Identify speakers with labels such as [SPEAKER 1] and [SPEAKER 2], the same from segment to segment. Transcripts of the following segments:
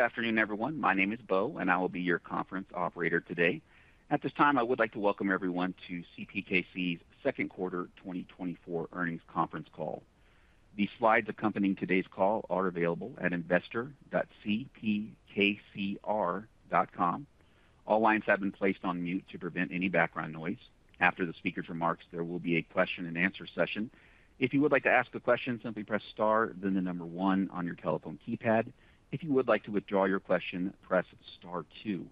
[SPEAKER 1] Good afternoon, everyone. My name is Beau, and I will be your conference operator today. At this time, I would like to welcome everyone to CPKC's second quarter 2024 earnings conference call. The slides accompanying today's call are available at investor.cpkc.com. All lines have been placed on mute to prevent any background noise. After the speaker's remarks, there will be a question-and-answer session. If you would like to ask a question, simply press Star, then the number 1 on your telephone keypad. If you would like to withdraw your question, press Star 2.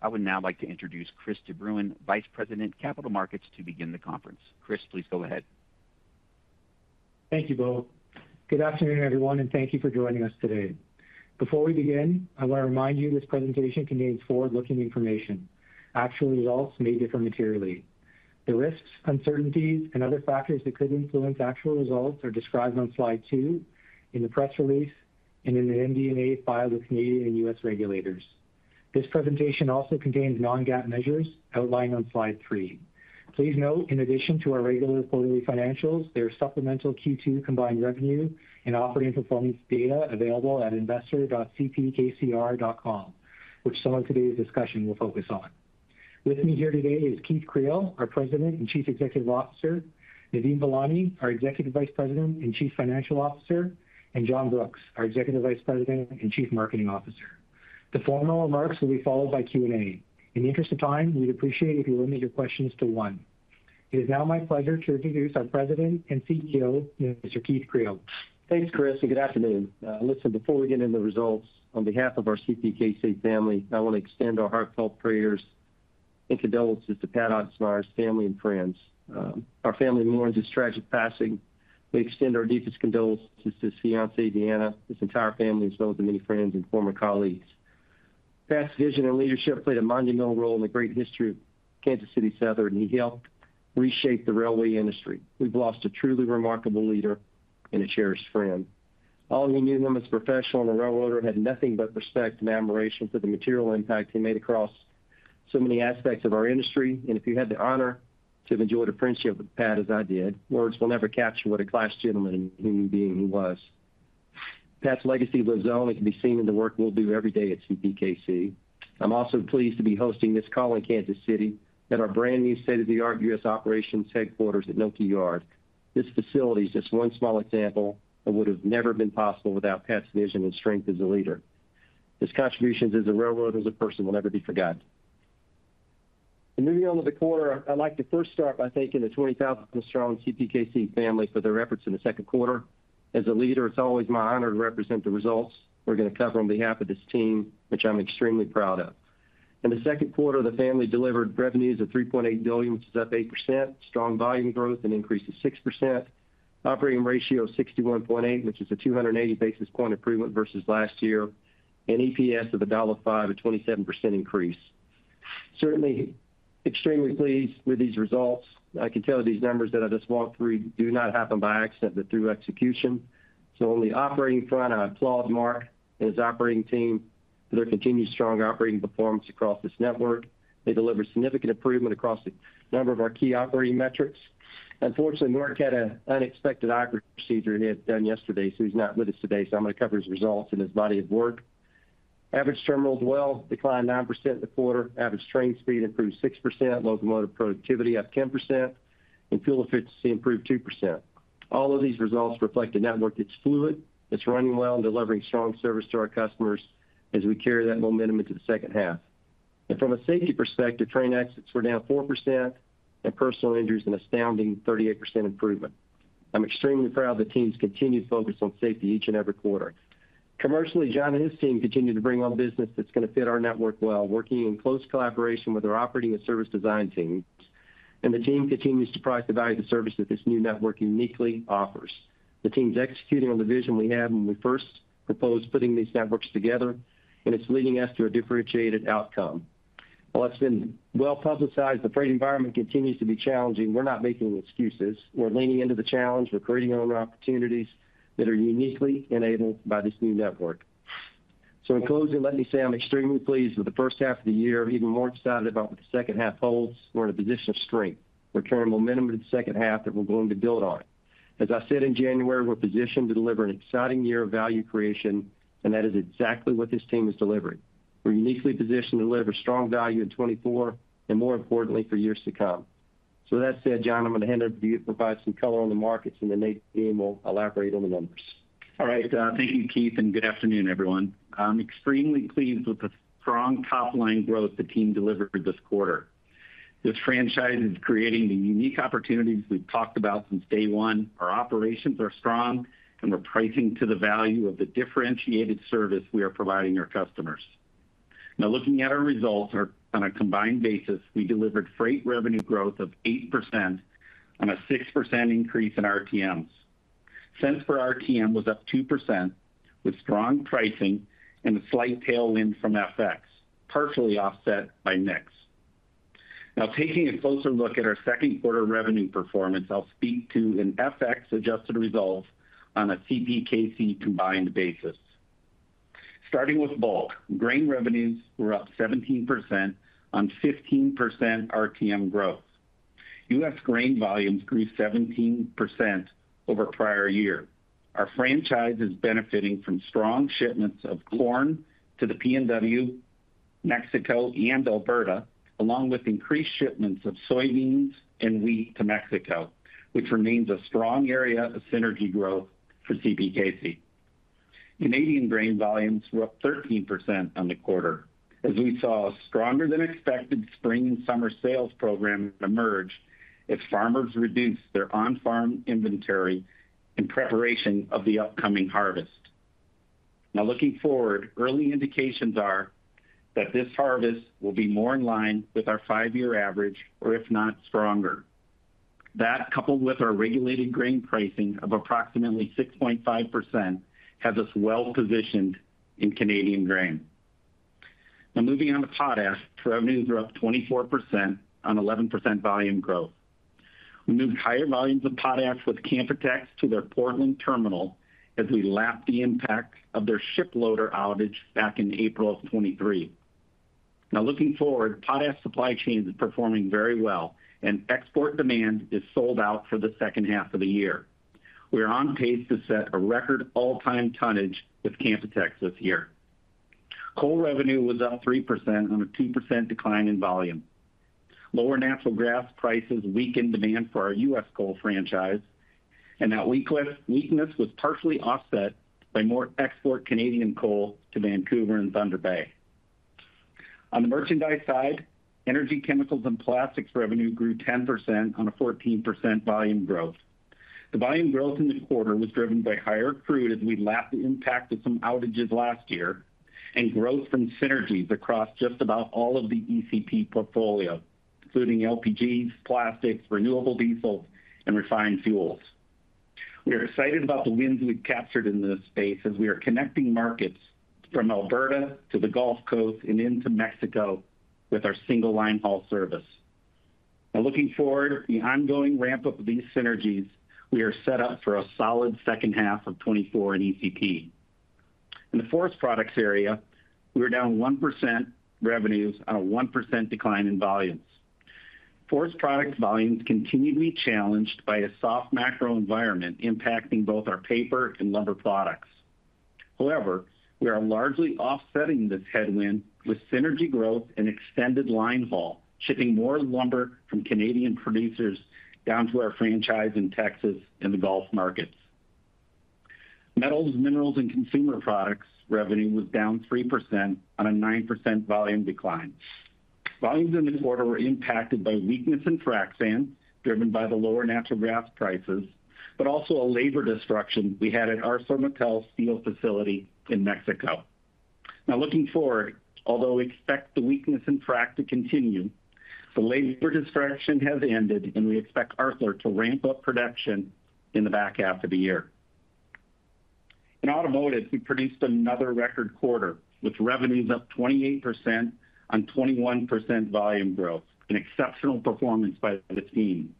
[SPEAKER 1] I would now like to introduce Chris de Bruyn, Vice President, Capital Markets, to begin the conference. Chris, please go ahead.
[SPEAKER 2] Thank you, Beau. Good afternoon, everyone, and thank you for joining us today. Before we begin, I want to remind you this presentation contains forward-looking information. Actual results may differ materially. The risks, uncertainties, and other factors that could influence actual results are described on slide two in the press release and in the MD&A filed with Canadian and U.S. regulators. This presentation also contains non-GAAP measures outlined on slide three. Please note, in addition to our regular quarterly financials, there are supplemental Q2 combined revenue and operating performance data available at investor.cpkcr.com, which some of today's discussion will focus on. With me here today is Keith Creel, our President and Chief Executive Officer, Nadeem Velani, our Executive Vice President and Chief Financial Officer, and John Brooks, our Executive Vice President and Chief Marketing Officer. The formal remarks will be followed by Q&A. In the interest of time, we'd appreciate it if you limit your questions to one. It is now my pleasure to introduce our President and CEO, Mr. Keith Creel.
[SPEAKER 3] Thanks, Chris, and good afternoon. Listen, before we get into the results, on behalf of our CPKC family, I want to extend our heartfelt prayers and condolences to Pat Ottensmeyer and our family and friends. Our family mourns his tragic passing. We extend our deepest condolences to his fiancée, Deanna Ottensmeyer, his entire family, as well as the many friends and former colleagues. Pat's vision and leadership played a monumental role in the great history of Kansas City Southern, and he helped reshape the railway industry. We've lost a truly remarkable leader and a cherished friend. All of you knew him as a professional and a railroader, and had nothing but respect and admiration for the material impact he made across so many aspects of our industry. If you had the honor to have enjoyed a friendship with Pat, as I did, words will never capture what a class gentleman and human being he was. Pat's legacy lives on, and it can be seen in the work we'll do every day at CPKC. I'm also pleased to be hosting this call in Kansas City, at our brand-new state-of-the-art US operations headquarters at Knoche Yard. This facility is just one small example that would have never been possible without Pat's vision and strength as a leader. His contributions as a railroader, as a person, will never be forgotten. In moving on to the quarter, I'd like to first start by thanking the 20,000 strong CPKC family for their efforts in the second quarter. As a leader, it's always my honor to represent the results we're going to cover on behalf of this team, which I'm extremely proud of. In the second quarter, the family delivered revenues of $3.8 billion, which is up 8%, strong volume growth, an increase of 6%, operating ratio of 61.8, which is a 280 basis point improvement versus last year, and EPS of $1.05, a 27% increase. Certainly, extremely pleased with these results. I can tell you these numbers that I just walked through do not happen by accident, but through execution. So on the operating front, I applaud Mark and his operating team for their continued strong operating performance across this network. They delivered significant improvement across a number of our key operating metrics. Unfortunately, Mark had an unexpected eye procedure he had done yesterday, so he's not with us today, so I'm going to cover his results and his body of work. Average terminals well declined 9% in the quarter, average train speed improved 6%, locomotive productivity up 10%, and fuel efficiency improved 2%. All of these results reflect a network that's fluid, that's running well, and delivering strong service to our customers as we carry that momentum into the second half. And from a safety perspective, train exits were down 4%, and personal injuries, an astounding 38% improvement. I'm extremely proud of the team's continued focus on safety each and every quarter. Commercially, John and his team continue to bring on business that's going to fit our network well, working in close collaboration with our operating and service design teams, and the team continues to price the value of the service that this new network uniquely offers. The team's executing on the vision we had when we first proposed putting these networks together, and it's leading us to a differentiated outcome. While it's been well publicized, the freight environment continues to be challenging. We're not making excuses. We're leaning into the challenge. We're creating our own opportunities that are uniquely enabled by this new network. So in closing, let me say I'm extremely pleased with the first half of the year, even more excited about what the second half holds. We're in a position of strength. We're carrying momentum into the second half that we're going to build on. As I said in January, we're positioned to deliver an exciting year of value creation, and that is exactly what this team is delivering. We're uniquely positioned to deliver strong value in 2024, and more importantly, for years to come. So with that said, John, I'm going to hand it over to you to provide some color on the markets, and then Nate and the team will elaborate on the numbers.
[SPEAKER 4] All right. Thank you, Keith, and good afternoon, everyone. I'm extremely pleased with the strong top-line growth the team delivered this quarter. This franchise is creating the unique opportunities we've talked about since day one. Our operations are strong, and we're pricing to the value of the differentiated service we are providing our customers. Now, looking at our results, on a combined basis, we delivered freight revenue growth of 8% on a 6% increase in RTMs. Cents per RTM was up 2%, with strong pricing and a slight tailwind from FX, partially offset by mix. Now, taking a closer look at our second quarter revenue performance, I'll speak to an FX-adjusted result on a CPKC combined basis. Starting with bulk, grain revenues were up 17% on 15% RTM growth.... US grain volumes grew 17% over prior year. Our franchise is benefiting from strong shipments of corn to the PNW, Mexico, and Alberta, along with increased shipments of soybeans and wheat to Mexico, which remains a strong area of synergy growth for CPKC. Canadian grain volumes were up 13% on the quarter, as we saw a stronger than expected spring and summer sales program emerge, as farmers reduced their on-farm inventory in preparation of the upcoming harvest. Now, looking forward, early indications are that this harvest will be more in line with our five-year average, or if not, stronger. That, coupled with our regulated grain pricing of approximately 6.5%, has us well-positioned in Canadian grain. Now, moving on to potash, revenues are up 24% on 11% volume growth. We moved higher volumes of potash with Canpotex to their Portland terminal as we lapped the impact of their ship loader outage back in April of 2023. Now, looking forward, potash supply chain is performing very well, and export demand is sold out for the second half of the year. We are on pace to set a record all-time tonnage with Canpotex this year. Coal revenue was down 3% on a 2% decline in volume. Lower natural gas prices weakened demand for our U.S. coal franchise, and that weakness was partially offset by more export Canadian coal to Vancouver and Thunder Bay. On the merchandise side, energy, chemicals, and plastics revenue grew 10% on a 14% volume growth. The volume growth in the quarter was driven by higher crude as we lapped the impact of some outages last year, and growth from synergies across just about all of the ECP portfolio, including LPGs, plastics, renewable diesel, and refined fuels. We are excited about the wins we've captured in this space as we are connecting markets from Alberta to the Gulf Coast and into Mexico with our single line haul service. Now, looking forward, the ongoing ramp-up of these synergies, we are set up for a solid second half of 2024 in ECP. In the forest products area, we were down 1% revenues on a 1% decline in volumes. Forest products volumes continue to be challenged by a soft macro environment, impacting both our paper and lumber products. However, we are largely offsetting this headwind with synergy growth and extended line haul, shipping more lumber from Canadian producers down to our franchise in Texas and the Gulf markets. Metals, minerals, and consumer products revenue was down 3% on a 9% volume decline. Volumes in this quarter were impacted by weakness in frac sand, driven by the lower natural gas prices, but also a labor disruption we had at ArcelorMittal steel facility in Mexico. Now, looking forward, although we expect the weakness in frac to continue, the labor disruption has ended, and we expect Arcelor to ramp up production in the back half of the year. In automotive, we produced another record quarter, with revenues up 28% on 21% volume growth, an exceptional performance by the team.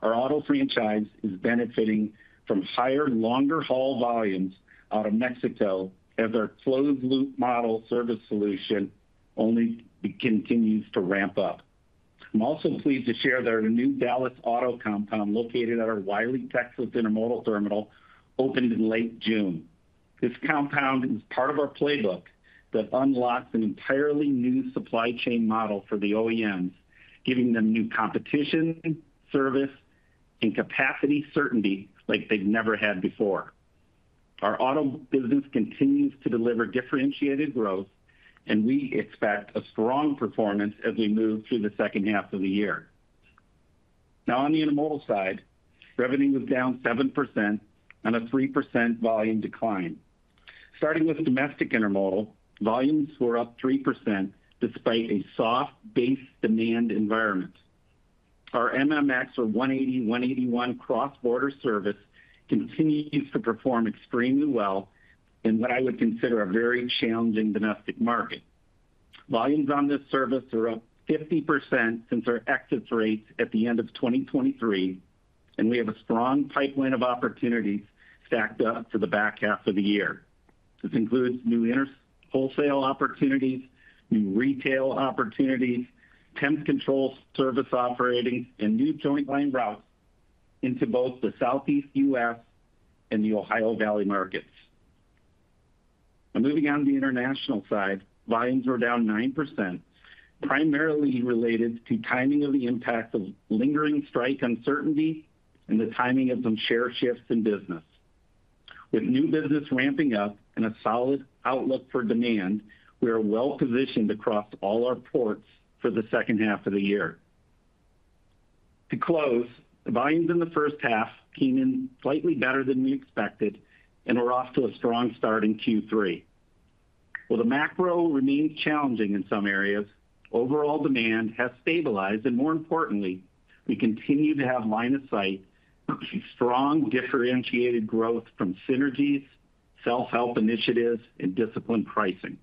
[SPEAKER 4] Our auto franchise is benefiting from higher, longer haul volumes out of Mexico as our closed loop model service solution only continues to ramp up. I'm also pleased to share that our new Dallas auto compound, located at our Wylie, Texas intermodal terminal, opened in late June. This compound is part of our playbook that unlocks an entirely new supply chain model for the OEMs, giving them new competition, service, and capacity certainty like they've never had before. Our auto business continues to deliver differentiated growth, and we expect a strong performance as we move through the second half of the year. Now, on the intermodal side, revenue was down 7% on a 3% volume decline. Starting with domestic intermodal, volumes were up 3% despite a soft base demand environment. Our MMX, or 180, 181 cross-border service continues to perform extremely well in what I would consider a very challenging domestic market. Volumes on this service are up 50% since our exit rates at the end of 2023, and we have a strong pipeline of opportunities stacked up for the back half of the year. This includes new inter wholesale opportunities, new retail opportunities, temp control service offerings, and new joint line routes into both the Southeast US and the Ohio Valley markets. Now, moving on to the international side, volumes were down 9%, primarily related to timing of the impact of lingering strike uncertainty and the timing of some share shifts in business. With new business ramping up and a solid outlook for demand, we are well-positioned across all our ports for the second half of the year. To close, the volumes in the first half came in slightly better than we expected and are off to a strong start in Q3. While the macro remains challenging in some areas, overall demand has stabilized, and more importantly, we continue to have line of sight, strong, differentiated growth from synergies, self-help initiatives, and disciplined pricing.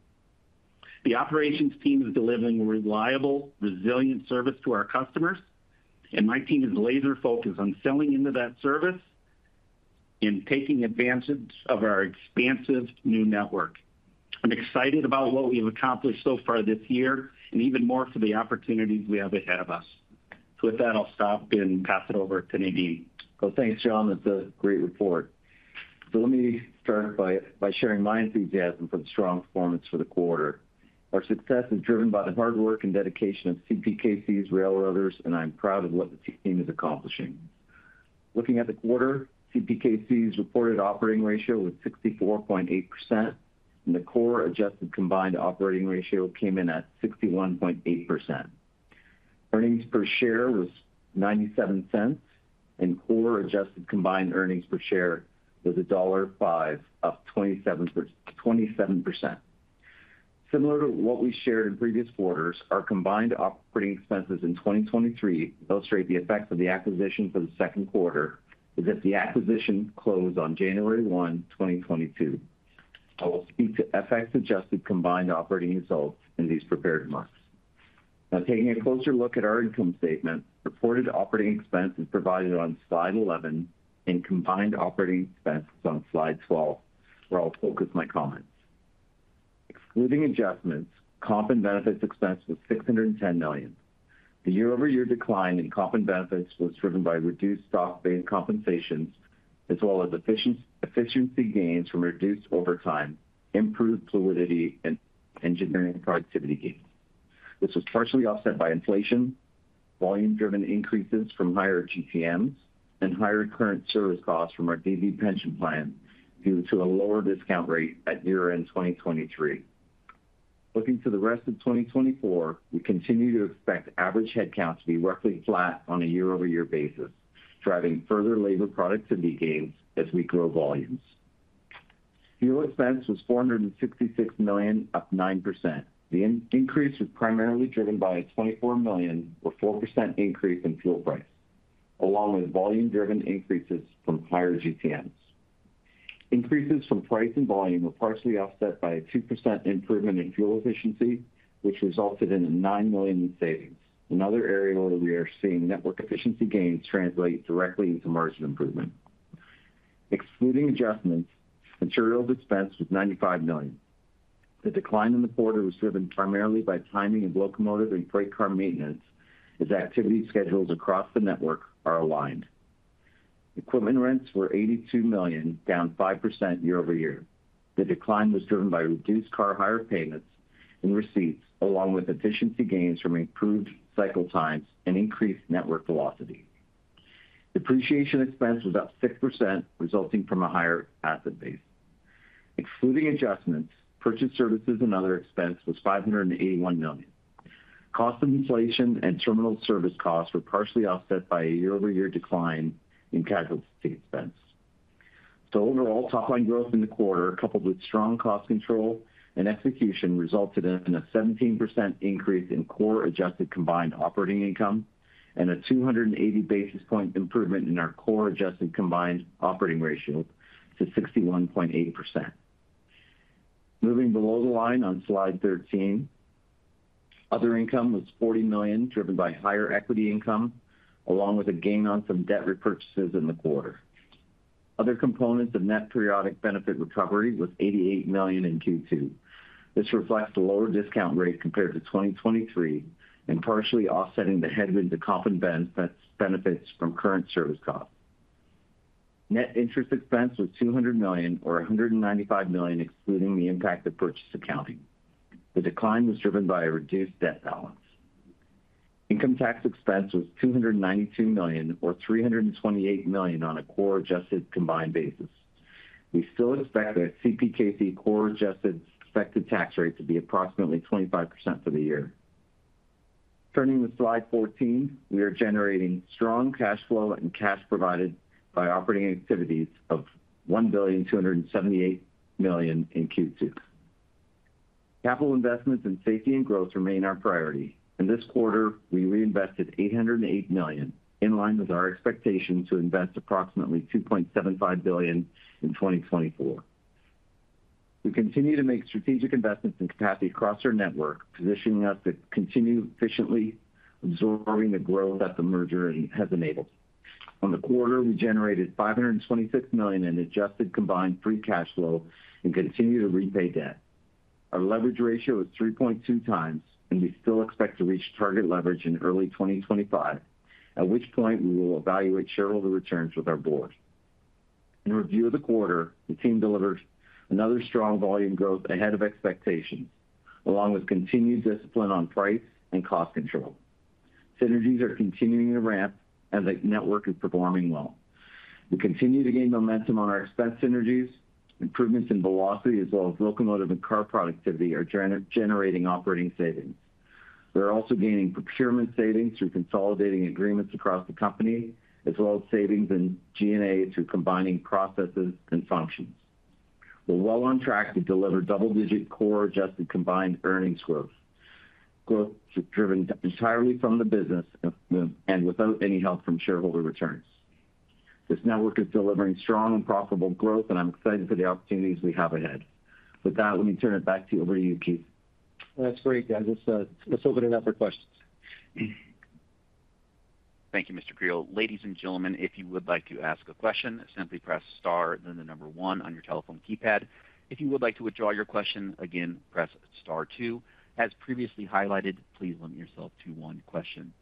[SPEAKER 4] The operations team is delivering reliable, resilient service to our customers, and my team is laser focused on selling into that service in taking advantage of our expansive new network. I'm excited about what we've accomplished so far this year, and even more for the opportunities we have ahead of us. So with that, I'll stop and pass it over to Nadeem.
[SPEAKER 5] Well, thanks, John. That's a great report. So let me start by sharing my enthusiasm for the strong performance for the quarter. Our success is driven by the hard work and dedication of CPKC's railroaders, and I'm proud of what the team is accomplishing. Looking at the quarter, CPKC's reported operating ratio was 64.8%, and the core adjusted combined operating ratio came in at 61.8%. Earnings per share was $0.97, and core adjusted combined earnings per share was $1.05, up 27%. Similar to what we shared in previous quarters, our combined operating expenses in 2023 illustrate the effects of the acquisition for the second quarter, as if the acquisition closed on January 1, 2022. I will speak to FX adjusted combined operating results in these prepared remarks. Now, taking a closer look at our income statement, reported operating expense is provided on slide 11, and combined operating expenses on slide 12, where I'll focus my comments. Excluding adjustments, comp and benefits expense was $610 million. The year-over-year decline in comp and benefits was driven by reduced stock-based compensations, as well as efficiency gains from reduced overtime, improved fluidity, and engineering productivity gains. This was partially offset by inflation, volume-driven increases from higher GTMs, and higher current service costs from our DB pension plan, due to a lower discount rate at year-end 2023. Looking to the rest of 2024, we continue to expect average headcount to be roughly flat on a year-over-year basis, driving further labor productivity gains as we grow volumes. Fuel expense was $466 million, up 9%. The increase was primarily driven by a $24 million, or 4% increase in fuel price, along with volume-driven increases from higher GTMs. Increases from price and volume were partially offset by a 2% improvement in fuel efficiency, which resulted in a $9 million savings, another area where we are seeing network efficiency gains translate directly into margin improvement. Excluding adjustments, materials expense was $95 million. The decline in the quarter was driven primarily by timing of locomotive and freight car maintenance, as activity schedules across the network are aligned. Equipment rents were $82 million, down 5% year-over-year. The decline was driven by reduced car hire payments and receipts, along with efficiency gains from improved cycle times and increased network velocity. Depreciation expense was up 6%, resulting from a higher asset base. Excluding adjustments, purchased services and other expense was $581 million. Cost of inflation and terminal service costs were partially offset by a year-over-year decline in casualty expense. So overall, top-line growth in the quarter, coupled with strong cost control and execution, resulted in a 17% increase in core adjusted combined operating income, and a 280 basis point improvement in our core adjusted combined operating ratio to 61.8%. Moving below the line on slide 13, other income was $40 million, driven by higher equity income, along with a gain on some debt repurchases in the quarter. Other components of net periodic benefit recovery was $88 million in Q2. This reflects the lower discount rate compared to 2023, and partially offsetting the headwind to comp and benefits from current service costs. Net interest expense was $200 million, or $195 million, excluding the impact of purchase accounting. The decline was driven by a reduced debt balance. Income tax expense was $292 million, or $328 million on a core adjusted combined basis. We still expect that CPKC core adjusted expected tax rate to be approximately 25% for the year. Turning to slide 14, we are generating strong cash flow and cash provided by operating activities of $1.278 billion in Q2. Capital investments in safety and growth remain our priority. In this quarter, we reinvested $808 million, in line with our expectation to invest approximately $2.75 billion in 2024. We continue to make strategic investments in capacity across our network, positioning us to continue efficiently absorbing the growth that the merger has enabled. On the quarter, we generated $526 million in adjusted combined free cash flow and continue to repay debt. Our leverage ratio is 3.2x, and we still expect to reach target leverage in early 2025, at which point we will evaluate shareholder returns with our board. In review of the quarter, the team delivered another strong volume growth ahead of expectations, along with continued discipline on price and cost control. Synergies are continuing to ramp, and the network is performing well. We continue to gain momentum on our expense synergies, improvements in velocity, as well as locomotive and car productivity are generating operating savings. We're also gaining procurement savings through consolidating agreements across the company, as well as savings in G&A through combining processes and functions. We're well on track to deliver double-digit core adjusted combined earnings growth. Growth is driven entirely from the business and without any help from shareholder returns. This network is delivering strong and profitable growth, and I'm excited for the opportunities we have ahead. With that, let me turn it back to you, over to you, Keith.
[SPEAKER 3] That's great, guys. Let's open it up for questions.
[SPEAKER 1] Thank you, Mr. Creel. Ladies and gentlemen, if you would like to ask a question, simply press star, then the number one on your telephone keypad. If you would like to withdraw your question, again, press star two. As previously highlighted, please limit yourself to one question.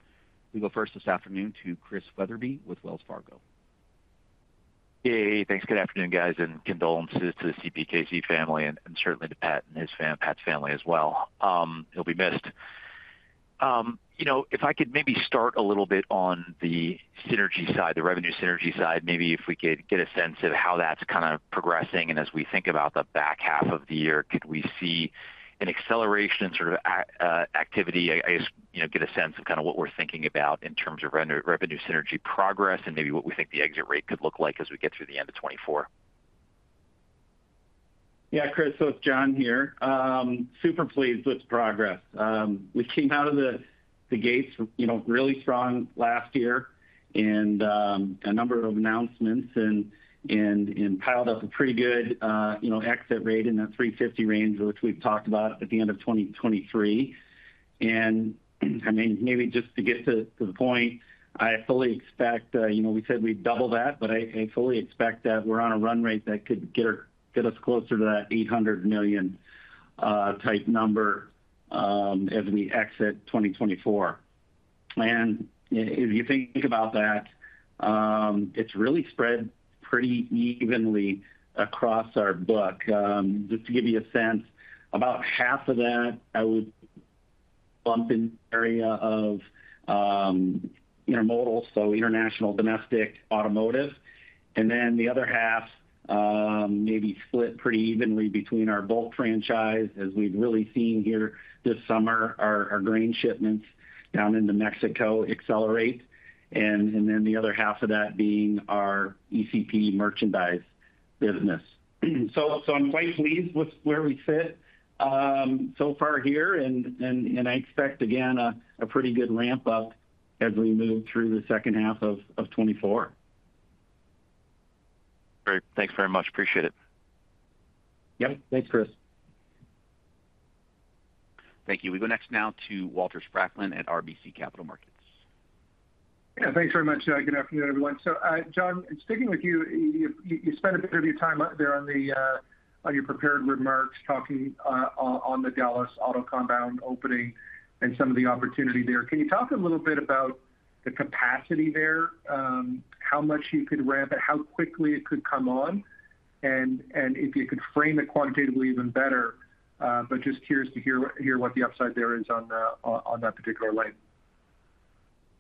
[SPEAKER 1] We go first this afternoon to Chris Wetherbee, with Wells Fargo.
[SPEAKER 6] Hey, thanks. Good afternoon, guys, and condolences to the CPKC family and, and certainly to Pat and his family as well. He'll be missed. You know, if I could maybe start a little bit on the synergy side, the revenue synergy side, maybe if we could get a sense of how that's kind of progressing, and as we think about the back half of the year, could we see an acceleration in sort of activity? I just, you know, get a sense of kind of what we're thinking about in terms of revenue synergy progress and maybe what we think the exit rate could look like as we get through the end of 2024.
[SPEAKER 4] Yeah, Chris, so it's John here. Super pleased with progress. We came out of the gates, you know, really strong last year and a number of announcements piled up a pretty good exit rate in that 350 range, which we've talked about at the end of 2023. I mean, maybe just to get to the point, I fully expect, you know, we said we'd double that, but I fully expect that we're on a run rate that could get us closer to that $800 million type number as we exit 2024. If you think about that, it's really spread pretty evenly across our book. Just to give you a sense, about half of that, I would lump in the area of intermodal, so international, domestic, automotive. And then the other half, maybe split pretty evenly between our bulk franchise, as we've really seen here this summer, our grain shipments down into Mexico accelerate, and then the other half of that being our ECP merchandise business. So I'm quite pleased with where we sit so far here, and I expect, again, a pretty good ramp up as we move through the second half of 2024.
[SPEAKER 6] Great. Thanks very much. Appreciate it.
[SPEAKER 4] Yep. Thanks, Chris.
[SPEAKER 1] Thank you. We go next now to Walter Spracklin at RBC Capital Markets.
[SPEAKER 7] Yeah, thanks very much. Good afternoon, everyone. John, in speaking with you, you spent a bit of your time out there on your prepared remarks, talking on the Dallas Auto Compound opening and some of the opportunity there. Can you talk a little bit about the capacity there? How much you could ramp it, how quickly it could come on, and if you could frame it quantitatively, even better, but just curious to hear what the upside there is on that particular line.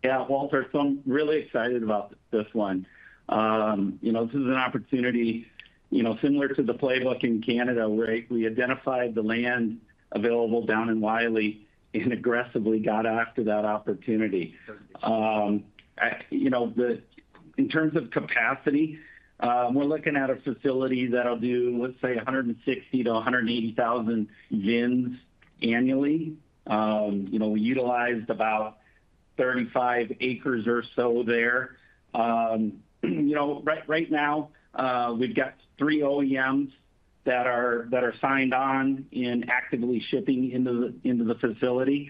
[SPEAKER 4] Yeah, Walter, so I'm really excited about this one. You know, this is an opportunity, you know, similar to the playbook in Canada, where we identified the land available down in Wylie and aggressively got after that opportunity. You know, the, in terms of capacity, we're looking at a facility that'll do, let's say, 160,000-180,000 VINs annually. You know, we utilized about 35 acres or so there. You know, right, right now, we've got three OEMs that are, that are signed on and actively shipping into the, into the facility.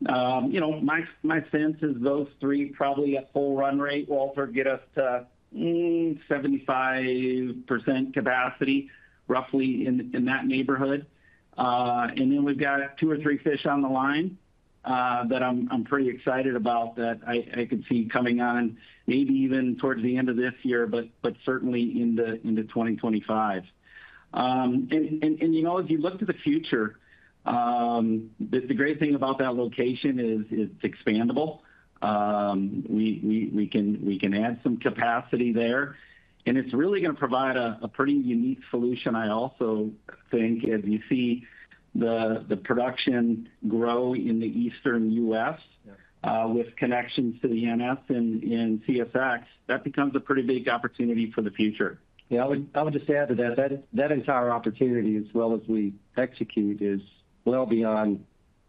[SPEAKER 4] You know, my, my sense is those three, probably at full run rate, Walter, get us to, mm, 75% capacity, roughly in, in that neighborhood. Then we've got two or three fish on the line that I'm pretty excited about that I could see coming on maybe even towards the end of this year, but certainly into 2025. You know, as you look to the future, the great thing about that location is it's expandable. We can add some capacity there, and it's really gonna provide a pretty unique solution, I also think, as you see the production grow in the eastern U.S., with connections to the NS and CSX, that becomes a pretty big opportunity for the future.
[SPEAKER 3] Yeah, I would just add to that, that entire opportunity, as well as we execute, is well beyond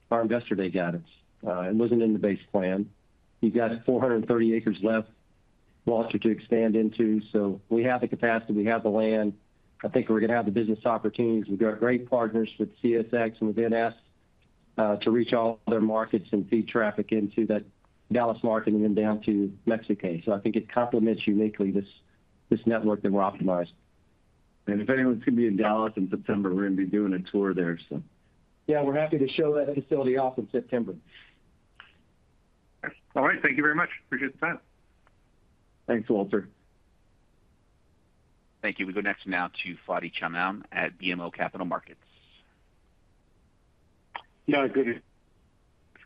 [SPEAKER 3] our Investor Day guidance. It wasn't in the base plan. You've got 430 acres left, Walter, to expand into, so we have the capacity, we have the land. I think we're gonna have the business opportunities. We've got great partners with CSX and with NS to reach all their markets and feed traffic into that Dallas market and then down to Mexico. So I think it complements uniquely this network that we're optimizing.
[SPEAKER 4] If anyone's gonna be in Dallas in September, we're gonna be doing a tour there, so...
[SPEAKER 3] Yeah, we're happy to show that facility off in September.
[SPEAKER 7] All right. Thank you very much. Appreciate the time.
[SPEAKER 4] Thanks, Walter.
[SPEAKER 1] Thank you. We go next now to Fadi Chamoun at BMO Capital Markets.
[SPEAKER 8] Yeah, good...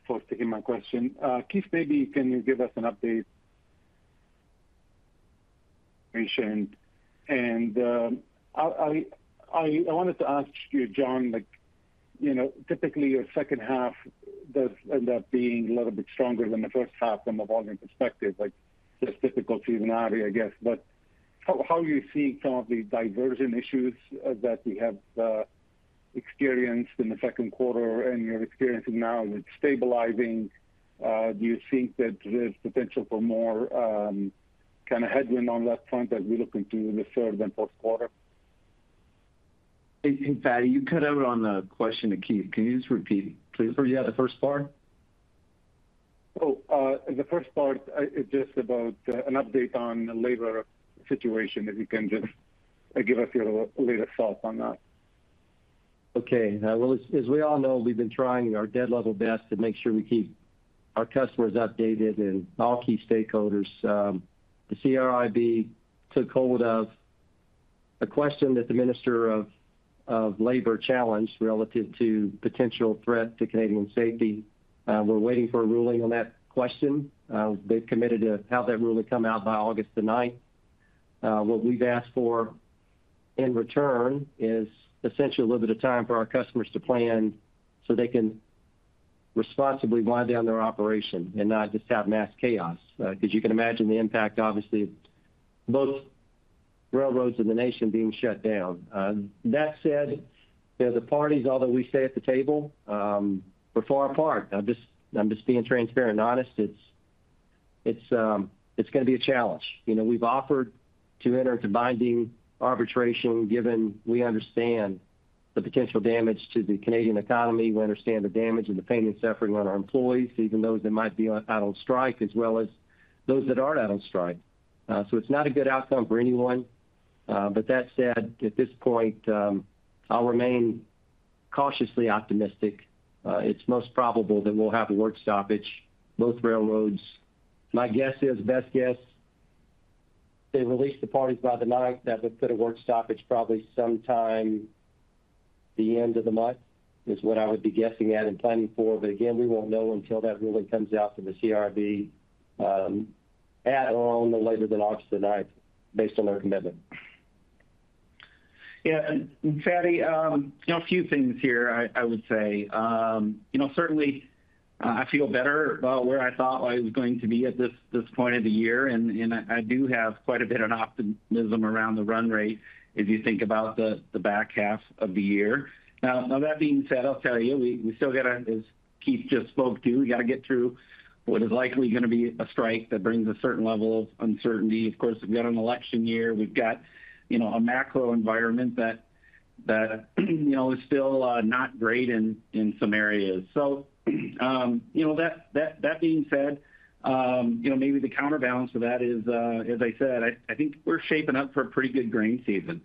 [SPEAKER 8] for taking my question. Keith, maybe can you give us an update? Recent, and I wanted to ask you, John, like, you know, typically your second half does end up being a little bit stronger than the first half from a volume perspective, like, just typical seasonality, I guess. But how do you see some of the diversion issues that we have experienced in the second quarter and you're experiencing now with stabilizing? Do you think that there's potential for more kind of headwind on that front as we look into the third and fourth quarter?...
[SPEAKER 4] Hey, hey, Fadi, you cut out on the question to Keith. Can you just repeat, please?
[SPEAKER 3] Yeah, the first part?
[SPEAKER 8] Oh, the first part is just about an update on the labor situation, if you can just give us your latest thoughts on that.
[SPEAKER 3] Okay, well, as we all know, we've been trying our dead level best to make sure we keep our customers updated and all key stakeholders. The CIRB took hold of a question that the Minister of Labor challenged, relative to potential threat to Canadian safety. We're waiting for a ruling on that question. They've committed to have that ruling come out by August the ninth. What we've asked for in return is essentially a little bit of time for our customers to plan, so they can responsibly wind down their operation and not just have mass chaos. Because you can imagine the impact, obviously, of both railroads in the nation being shut down. That said, you know, the parties, although we stay at the table, we're far apart. I'm just being transparent and honest. It's gonna be a challenge. You know, we've offered to enter into binding arbitration, given we understand the potential damage to the Canadian economy. We understand the damage and the pain and suffering on our employees, even those that might be out on strike, as well as those that aren't out on strike. So it's not a good outcome for anyone. But that said, at this point, I'll remain cautiously optimistic. It's most probable that we'll have a work stoppage, both railroads. My guess is, best guess, they release the parties by the ninth. That would put a work stoppage probably sometime the end of the month, is what I would be guessing at and planning for. But again, we won't know until that ruling comes out from the CIRB, at or no later than August 9, based on their commitment.
[SPEAKER 4] Yeah, and Fadi, you know, a few things here I, I would say. You know, certainly, I feel better about where I thought I was going to be at this, this point of the year, and, and I, I do have quite a bit of optimism around the run rate, if you think about the, the back half of the year. Now, now, that being said, I'll tell you, we, we still got to, as Keith just spoke to, we got to get through what is likely going to be a strike that brings a certain level of uncertainty. Of course, we've got an election year. We've got, you know, a macro environment that, that, you know, is still, not great in, in some areas. So, you know, that being said, you know, maybe the counterbalance to that is, as I said, I think we're shaping up for a pretty good grain season.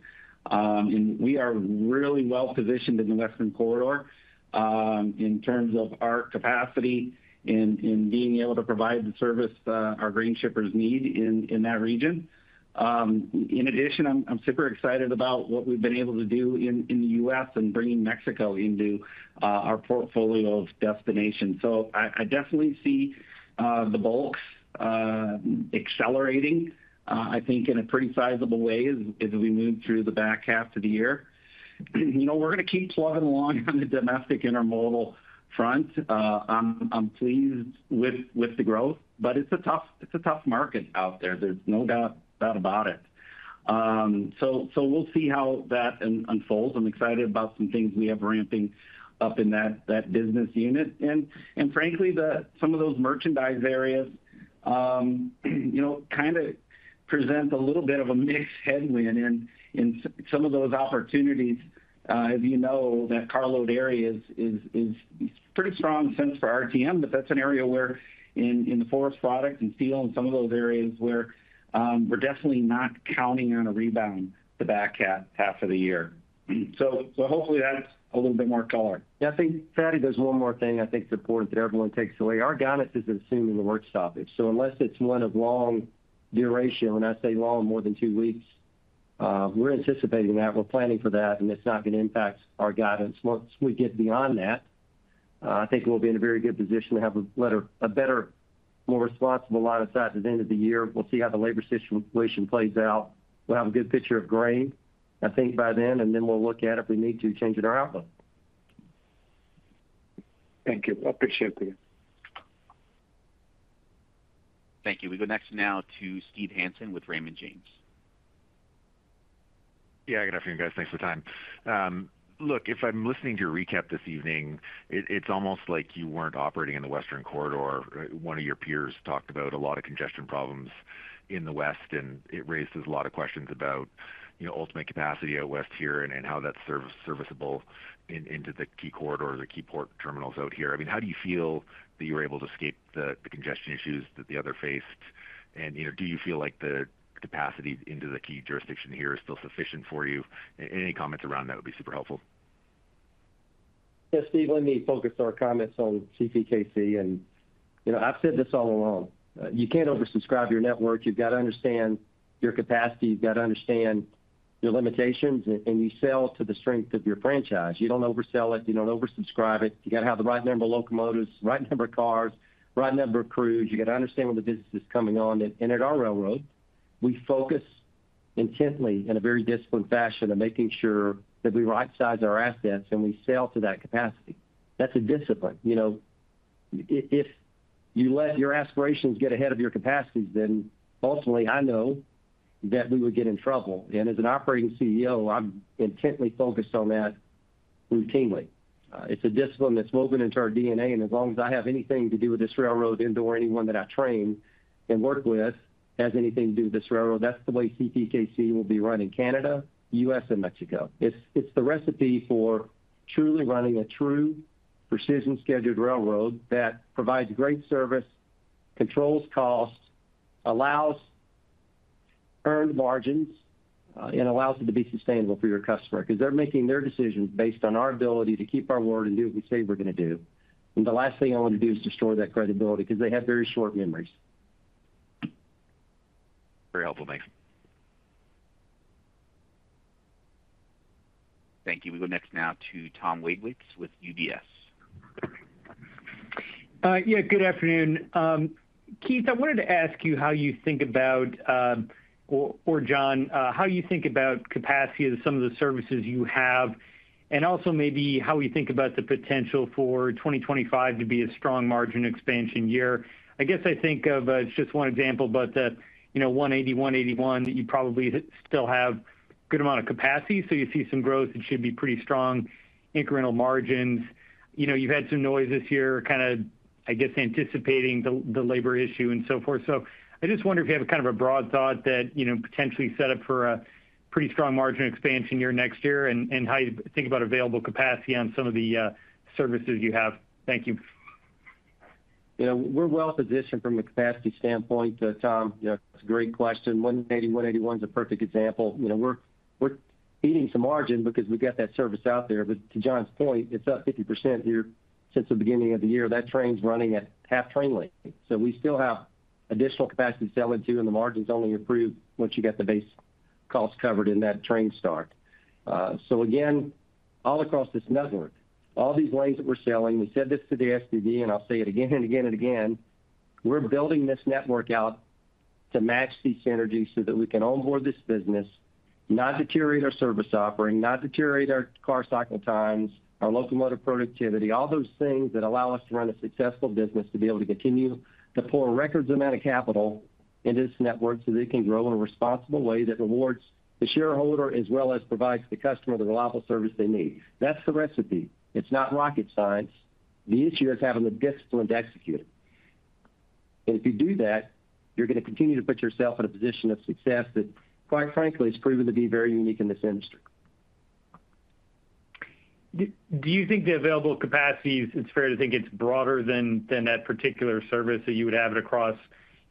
[SPEAKER 4] And we are really well-positioned in the Western Corridor, in terms of our capacity in being able to provide the service, our grain shippers need in that region. In addition, I'm super excited about what we've been able to do in the U.S. and bringing Mexico into our portfolio of destinations. So I definitely see the bulks accelerating, I think, in a pretty sizable way as we move through the back half of the year. You know, we're going to keep plugging along on the domestic intermodal front. I'm pleased with the growth, but it's a tough market out there. There's no doubt about it. So we'll see how that unfolds. I'm excited about some things we have ramping up in that business unit. And frankly, some of those merchandise areas, you know, kind of present a little bit of a mixed headwind and some of those opportunities, as you know, that carload area is pretty strong sense for RTM, but that's an area where in the forest product and steel and some of those areas where we're definitely not counting on a rebound the back half of the year. So hopefully that's a little bit more color.
[SPEAKER 3] Yeah, I think, Fadi, there's one more thing I think it's important that everyone takes away. Our guidance is assuming the work stoppage, so unless it's one of long duration, when I say long, more than two weeks, we're anticipating that. We're planning for that, and it's not going to impact our guidance. Once we get beyond that, I think we'll be in a very good position to have a better, a better, more responsible line of sight at the end of the year. We'll see how the labor situation plays out. We'll have a good picture of grain, I think, by then, and then we'll look at it if we need to change in our outlook.
[SPEAKER 8] Thank you. I appreciate that.
[SPEAKER 1] Thank you. We go next now to Steve Hansen with Raymond James.
[SPEAKER 9] Yeah, good afternoon, guys. Thanks for the time. Look, if I'm listening to your recap this evening, it's almost like you weren't operating in the Western Corridor. One of your peers talked about a lot of congestion problems in the West, and it raises a lot of questions about, you know, ultimate capacity out west here and how that's serviceable into the key corridors or key port terminals out here. I mean, how do you feel that you were able to escape the congestion issues that the others faced? And, you know, do you feel like the capacity into the key jurisdiction here is still sufficient for you? Any comments around that would be super helpful.
[SPEAKER 3] Yeah, Steve, let me focus our comments on CPKC. And, you know, I've said this all along, you can't oversubscribe your network. You've got to understand your capacity, you've got to understand your limitations, and you sell to the strength of your franchise. You don't oversell it, you don't oversubscribe it. You got to have the right number of locomotives, right number of cars, right number of crews. You got to understand where the business is coming on. And, and at our railroad, we focus intently, in a very disciplined fashion, on making sure that we right-size our assets and we sell to that capacity. That's a discipline. You know, if, if you let your aspirations get ahead of your capacities, then ultimately, I know that we would get in trouble. And as an operating CEO, I'm intently focused on that routinely. It's a discipline that's woven into our DNA, and as long as I have anything to do with this railroad, and or anyone that I train and work with, has anything to do with this railroad, that's the way CPKC will be run in Canada, U.S., and Mexico. It's the recipe for truly running a true precision-scheduled railroad that provides great service, controls costs, allows earned margins, and allows it to be sustainable for your customer. Because they're making their decisions based on our ability to keep our word and do what we say we're going to do. The last thing I want to do is destroy that credibility, because they have very short memories.
[SPEAKER 9] Very helpful, thank you.
[SPEAKER 1] Thank you. We go next now to Tom Wadewitz, with UBS.
[SPEAKER 10] Yeah, good afternoon. Keith, I wanted to ask you how you think about, or, or John, how you think about capacity of some of the services you have, and also maybe how we think about the potential for 2025 to be a strong margin expansion year. I guess I think of, just one example, but the, you know, one eighty-one eighty-one, that you probably still have good amount of capacity, so you see some growth, it should be pretty strong incremental margins. You know, you've had some noise this year, kind of, I guess, anticipating the, the labor issue and so forth. I just wonder if you have kind of a broad thought that, you know, potentially set up for a pretty strong margin expansion year next year, and, and how you think about available capacity on some of the services you have. Thank you.
[SPEAKER 3] You know, we're well positioned from a capacity standpoint, Tom, you know, it's a great question. 181 181 is a perfect example. You know, we're, we're eating some margin because we've got that service out there, but to John's point, it's up 50% here since the beginning of the year. That train's running at half train length, so we still have additional capacity to sell into, and the margins only improve once you get the base costs covered in that train start. So again, all across this network, all these lanes that we're selling, we said this to the STB, and I'll say it again and again and again, we're building this network out to match these synergies so that we can onboard this business, not deteriorate our service offering, not deteriorate our car cycle times, our locomotive productivity. All those things that allow us to run a successful business, to be able to continue to pour record amounts of capital into this network, so that it can grow in a responsible way that rewards the shareholder, as well as provides the customer the reliable service they need. That's the recipe. It's not rocket science. The issue is having the discipline to execute it. And if you do that, you're going to continue to put yourself in a position of success that, quite frankly, is proven to be very unique in this industry.
[SPEAKER 10] Do you think the available capacities, it's fair to think it's broader than that particular service, that you would have it across,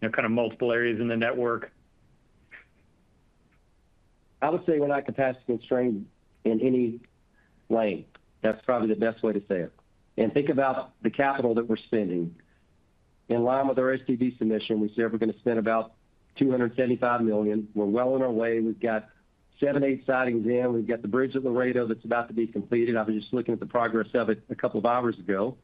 [SPEAKER 10] you know, kind of multiple areas in the network?
[SPEAKER 3] I would say we're not capacity constrained in any lane. That's probably the best way to say it. Think about the capital that we're spending. In line with our STB submission, we said we're going to spend about 275 million. We're well on our way. We've got 7, 8 sidings in. We've got the bridge at Laredo that's about to be completed. I was just looking at the progress of it a couple of hours ago.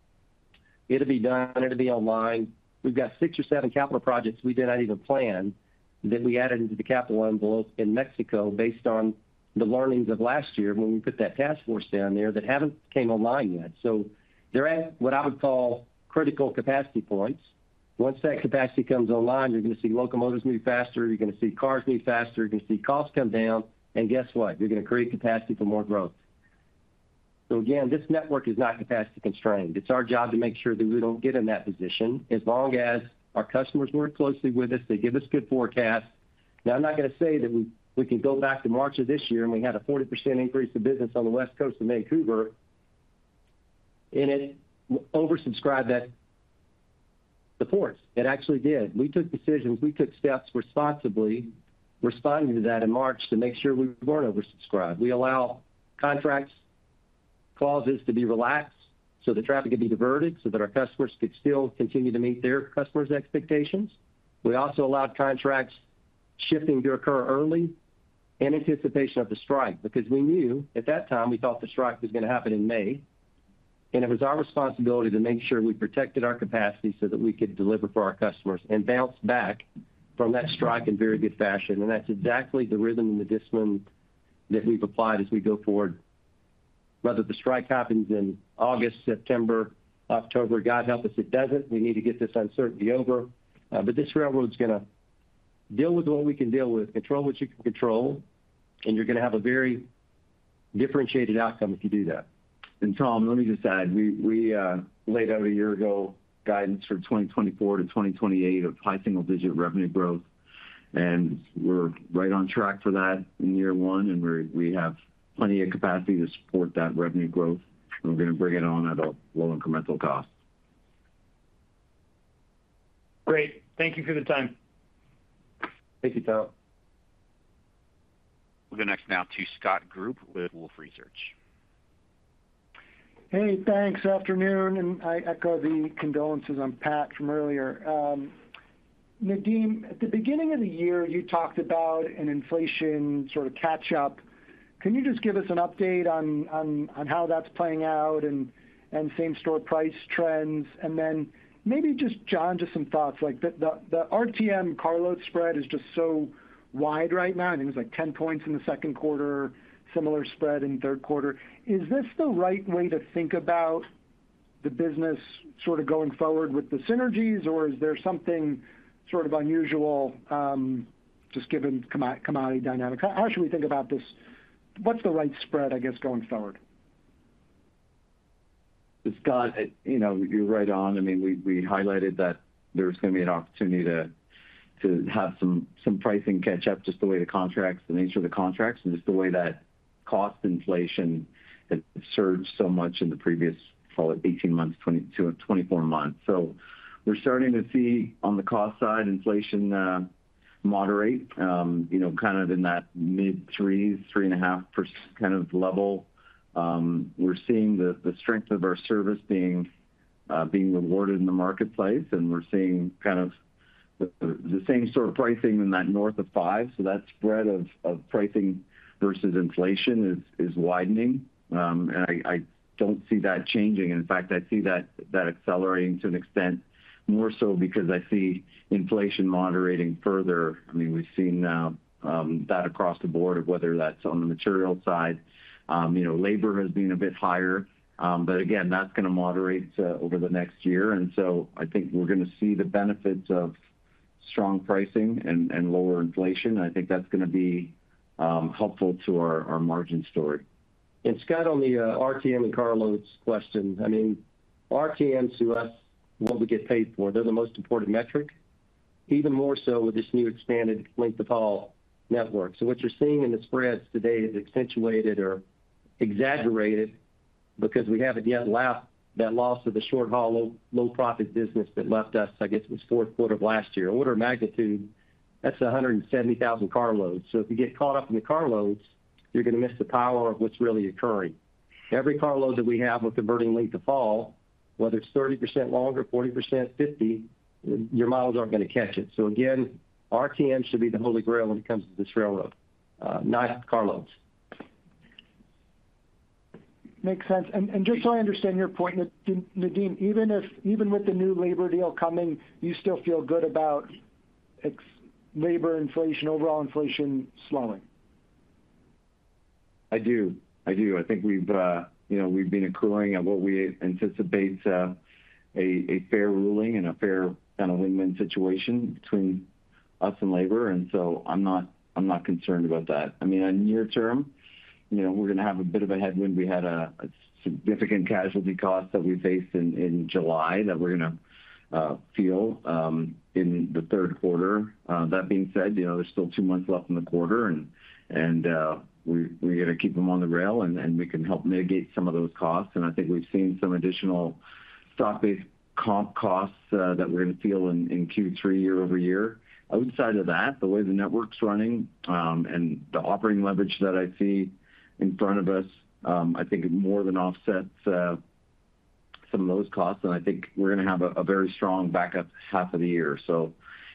[SPEAKER 3] It'll be done, it'll be online. We've got 6 or 7 capital projects we did not even plan, that we added into the capital envelope in Mexico based on the learnings of last year when we put that task force down there, that haven't came online yet. So they're at, what I would call, critical capacity points. Once that capacity comes online, you're going to see locomotives move faster, you're going to see cars move faster, you're going to see costs come down, and guess what? You're going to create capacity for more growth. So again, this network is not capacity constrained. It's our job to make sure that we don't get in that position. As long as our customers work closely with us, they give us good forecasts. Now, I'm not going to say that we can go back to March of this year, and we had a 40% increase of business on the West Coast and Vancouver, and it oversubscribed that the port. It actually did. We took decisions, we took steps responsibly, responding to that in March to make sure we weren't oversubscribed. We allow contracts clauses to be relaxed, so the traffic can be diverted, so that our customers could still continue to meet their customers' expectations. We also allowed contracts shifting to occur early in anticipation of the strike, because we knew, at that time, we thought the strike was going to happen in May, and it was our responsibility to make sure we protected our capacity so that we could deliver for our customers and bounce back from that strike in very good fashion. That's exactly the rhythm and the discipline that we've applied as we go forward. Whether the strike happens in August, September, October, God help us, it doesn't. We need to get this uncertainty over, but this railroad's going to deal with what we can deal with. Control what you can control, and you're going to have a very differentiated outcome if you do that.
[SPEAKER 5] Tom, let me just add, we laid out a year ago guidance for 2024 to 2028 of high single-digit revenue growth, and we're right on track for that in year one, and we have plenty of capacity to support that revenue growth, and we're going to bring it on at a low incremental cost.
[SPEAKER 10] Great. Thank you for the time.
[SPEAKER 3] Thank you, Tom.
[SPEAKER 1] We'll go next now to Scott Group with Wolfe Research.
[SPEAKER 11] Hey, thanks. Afternoon, and I echo the condolences on Pat from earlier. Nadeem, at the beginning of the year, you talked about an inflation sort of catch up. Can you just give us an update on how that's playing out and same store price trends? And then maybe just, John, just some thoughts, like the RTM carload spread is just so wide right now. I think it was like 10 points in the second quarter, similar spread in the third quarter. Is this the right way to think about the business sort of going forward with the synergies, or is there something sort of unusual just given commodity dynamics? How should we think about this? What's the right spread, I guess, going forward?
[SPEAKER 5] It's Scott, you know, you're right on. I mean, we highlighted that there's gonna be an opportunity to have some pricing catch up, just the way the contracts, the nature of the contracts, and just the way that cost inflation has surged so much in the previous, call it 18 months, 22, 24 months. So we're starting to see, on the cost side, inflation moderate, you know, kind of in that mid-threes, 3.5% kind of level. We're seeing the strength of our service being rewarded in the marketplace, and we're seeing kind of the same sort of pricing in that north of 5%. So that spread of pricing versus inflation is widening. And I don't see that changing. In fact, I see that accelerating to an extent, more so because I see inflation moderating further. I mean, we've seen that across the board of whether that's on the material side. You know, labor has been a bit higher, but again, that's gonna moderate over the next year. And so I think we're gonna see the benefits of strong pricing and lower inflation. I think that's gonna be helpful to our margin story.
[SPEAKER 3] And Scott, on the RTM and carloads question, I mean, RTMs to us, what we get paid for, they're the most important metric, even more so with this new expanded length-of-haul network. So what you're seeing in the spreads today is accentuated or exaggerated because we haven't yet allowed that loss of the short-haul, low, low-profit business that left us, I guess, it was fourth quarter of last year. Order of magnitude, that's 170,000 carloads. So if you get caught up in the carloads, you're gonna miss the power of what's really occurring. Every carload that we have with converting length of haul, whether it's 30% longer, 40%, 50%, your miles aren't gonna catch it. So again, RTM should be the Holy Grail when it comes to this railroad, not carloads.
[SPEAKER 11] Makes sense. And just so I understand your point, Nadeem, even with the new labor deal coming, you still feel good about ex-labor inflation, overall inflation slowing?
[SPEAKER 5] I do. I do. I think we've, you know, we've been accruing at what we anticipate, a fair ruling and a fair kind of win-win situation between us and labor, and so I'm not, I'm not concerned about that. I mean, on near term, you know, we're gonna have a bit of a headwind. We had a significant casualty cost that we faced in July that we're gonna feel in the third quarter. That being said, you know, there's still two months left in the quarter, and we gotta keep them on the rail, and we can help mitigate some of those costs. And I think we've seen some additional stock-based comp costs that we're gonna feel in Q3 year-over-year. Outside of that, the way the network's running, and the operating leverage that I see in front of us, I think it more than offsets some of those costs, and I think we're gonna have a very strong back half of the year. So,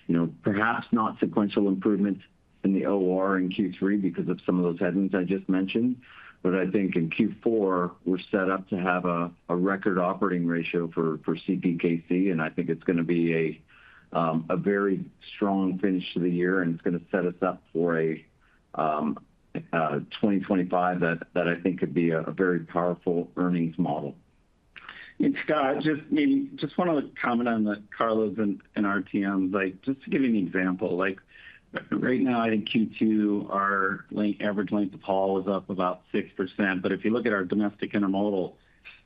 [SPEAKER 5] you know, perhaps not sequential improvements in the OR in Q3 because of some of those headwinds I just mentioned, but I think in Q4, we're set up to have a record operating ratio for CPKC, and I think it's gonna be a very strong finish to the year, and it's gonna set us up for a 2025 that I think could be a very powerful earnings model.
[SPEAKER 4] Scott, just maybe just want to comment on the carloads and RTMs. Like, just to give you an example, like right now, in Q2, our average length of haul is up about 6%, but if you look at our domestic intermodal,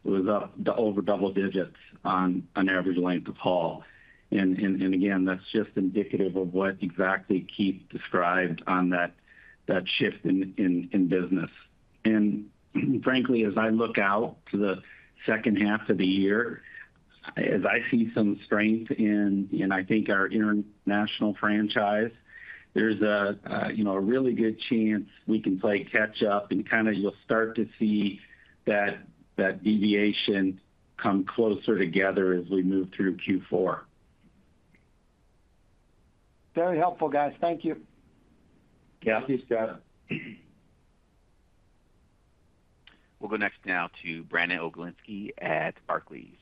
[SPEAKER 4] it was up over double digits on average length of haul. And again, that's just indicative of what exactly Keith described on that shift in business. And frankly, as I look out to the second half of the year, as I see some strength in, I think our international franchise, there's a you know, a really good chance we can play catch-up, and kind of you'll start to see that deviation come closer together as we move through Q4.
[SPEAKER 11] Very helpful, guys. Thank you.
[SPEAKER 3] Yeah.
[SPEAKER 5] Thanks, Scott.
[SPEAKER 1] We'll go next now to Brandon Oglenski at Barclays.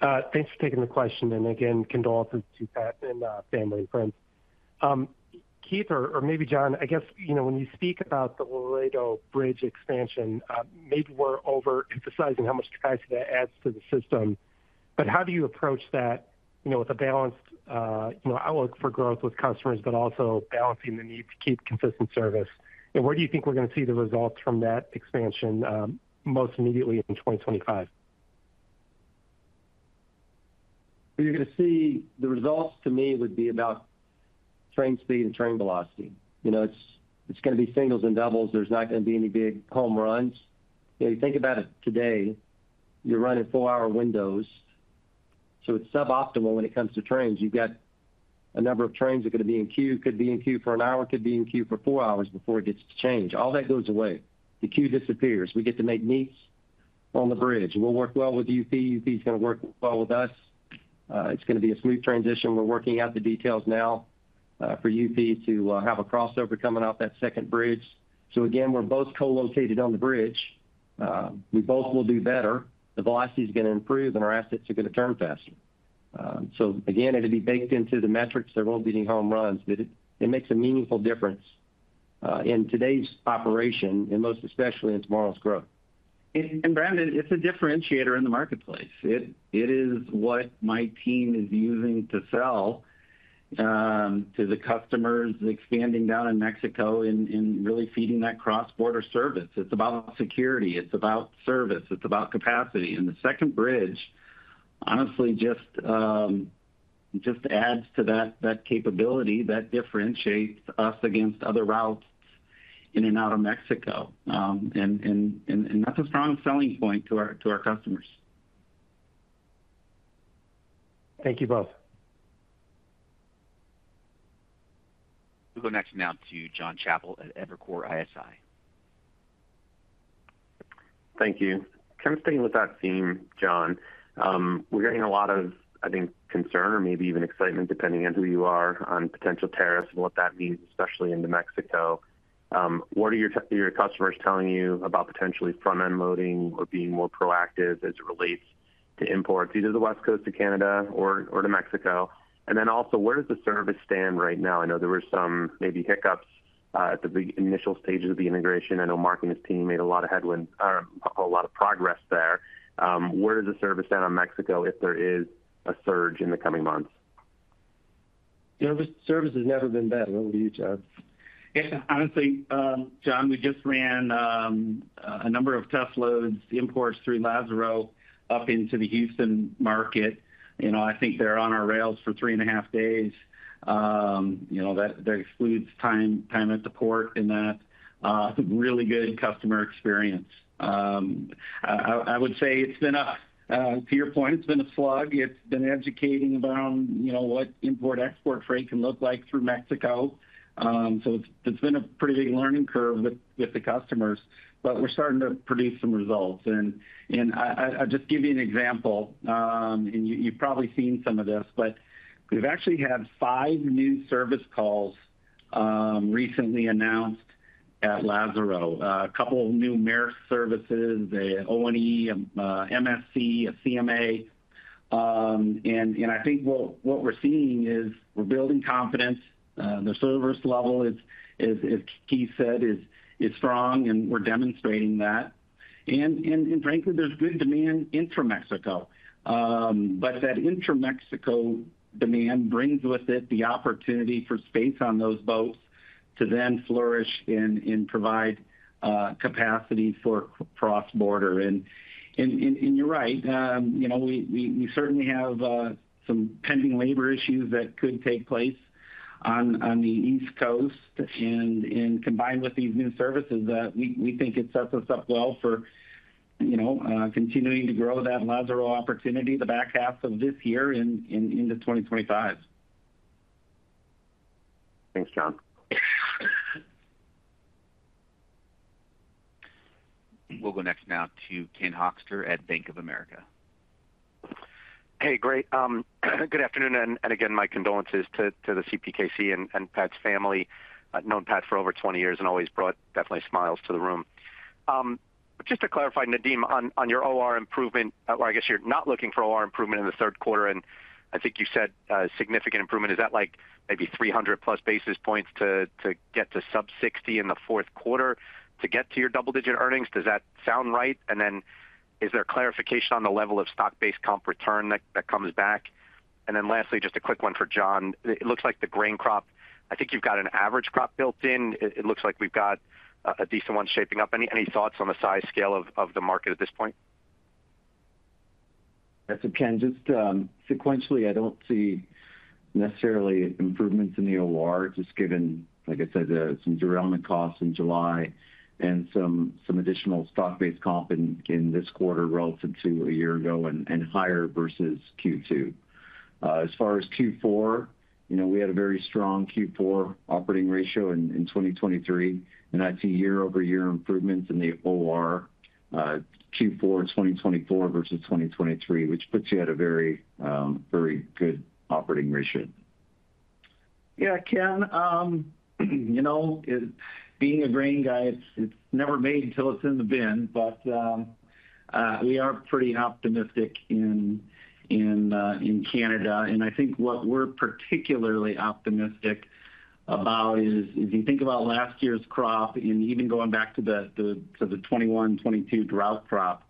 [SPEAKER 12] Thanks for taking the question, and again, condolences to Pat and family and friends. Keith, or maybe John, I guess, you know, when you speak about the Laredo Bridge expansion, maybe we're overemphasizing how much capacity that adds to the system. But how do you approach that, you know, with a balanced, you know, outlook for growth with customers, but also balancing the need to keep consistent service? And where do you think we're gonna see the results from that expansion, most immediately in 2025?
[SPEAKER 3] You're gonna see... The results to me would be about train speed and train velocity. You know, it's gonna be singles and doubles. There's not gonna be any big home runs. If you think about it today, you're running 4-hour windows, so it's suboptimal when it comes to trains. You've got a number of trains are gonna be in queue, could be in queue for 1 hour, could be in queue for 4 hours before it gets to change. All that goes away. The queue disappears. We get to make meets on the bridge, and we'll work well with UP. UP's gonna work well with us. It's gonna be a smooth transition. We're working out the details now for UP to have a crossover coming off that second bridge. So again, we're both co-located on the bridge. We both will do better. The velocity is gonna improve, and our assets are gonna turn faster. So again, it'll be baked into the metrics. There won't be any home runs, but it makes a meaningful difference....
[SPEAKER 4] in today's operation, and most especially in tomorrow's growth. And Brandon, it's a differentiator in the marketplace. It is what my team is using to sell to the customers expanding down in Mexico and really feeding that cross-border service. It's about security, it's about service, it's about capacity. And the second bridge, honestly just adds to that capability that differentiates us against other routes in and out of Mexico. And that's a strong selling point to our customers.
[SPEAKER 12] Thank you both.
[SPEAKER 1] We'll go next now to John Chappell at Evercore ISI.
[SPEAKER 13] Thank you. Kind of staying with that theme, John, we're getting a lot of, I think, concern or maybe even excitement, depending on who you are, on potential tariffs and what that means, especially into Mexico. What are your customers telling you about potentially front-end loading or being more proactive as it relates to imports, either the West Coast to Canada or to Mexico? And then also, where does the service stand right now? I know there were some maybe hiccups at the big initial stages of the integration. I know Mark and his team made a lot of headway, a whole lot of progress there. Where is the service at on Mexico if there is a surge in the coming months?
[SPEAKER 4] Service, service has never been better. Over to you, John. Yeah, honestly, John, we just ran a number of test loads, imports through Lázaro up into the Houston market, and I think they're on our rails for three and a half days. You know, that excludes time at the port, and really good customer experience. I would say it's been a to your point, it's been a slog. It's been educating around, you know, what import-export freight can look like through Mexico. So it's been a pretty big learning curve with the customers, but we're starting to produce some results. I'll just give you an example, and you've probably seen some of this, but we've actually had five new service calls recently announced at Lázaro. A couple of new Maersk services, ONE, MSC, CMA. And I think what we're seeing is we're building confidence. The service level is, as Keith said, strong, and we're demonstrating that. And frankly, there's good demand intra-Mexico. But that intra-Mexico demand brings with it the opportunity for space on those boats to then flourish and provide capacity for cross-border. And you're right, you know, we certainly have some pending labor issues that could take place on the East Coast. And combined with these new services that we think it sets us up well for, you know, continuing to grow that Lázaro opportunity the back half of this year and into 2025.
[SPEAKER 13] Thanks, John.
[SPEAKER 1] We'll go next now to Ken Hoexter at Bank of America.
[SPEAKER 14] Hey, great. Good afternoon, and again, my condolences to the CPKC and Pat's family. I've known Pat for over 20 years, and always brought definitely smiles to the room. Just to clarify, Nadeem, on your OR improvement, or I guess you're not looking for OR improvement in the third quarter, and I think you said significant improvement. Is that like maybe 300+ basis points to get to sub 60 in the fourth quarter to get to your double-digit earnings? Does that sound right? And then is there clarification on the level of stock-based comp return that comes back? And then lastly, just a quick one for John. It looks like the grain crop... I think you've got an average crop built in. It looks like we've got a decent one shaping up. Any thoughts on the size scale of the market at this point?
[SPEAKER 4] Yes, so Ken, just sequentially, I don't see necessarily improvements in the OR, just given, like I said, some derailment costs in July and some additional stock-based comp in this quarter relative to a year ago and higher versus Q2. As far as Q4, you know, we had a very strong Q4 operating ratio in 2023, and I'd see year-over-year improvements in the OR, Q4 2024 versus 2023, which puts you at a very good operating ratio. Yeah, Ken, you know, being a grain guy, it's never made until it's in the bin. But we are pretty optimistic in Canada. I think what we're particularly optimistic about is, if you think about last year's crop, and even going back to the 2021, 2022 drought crop,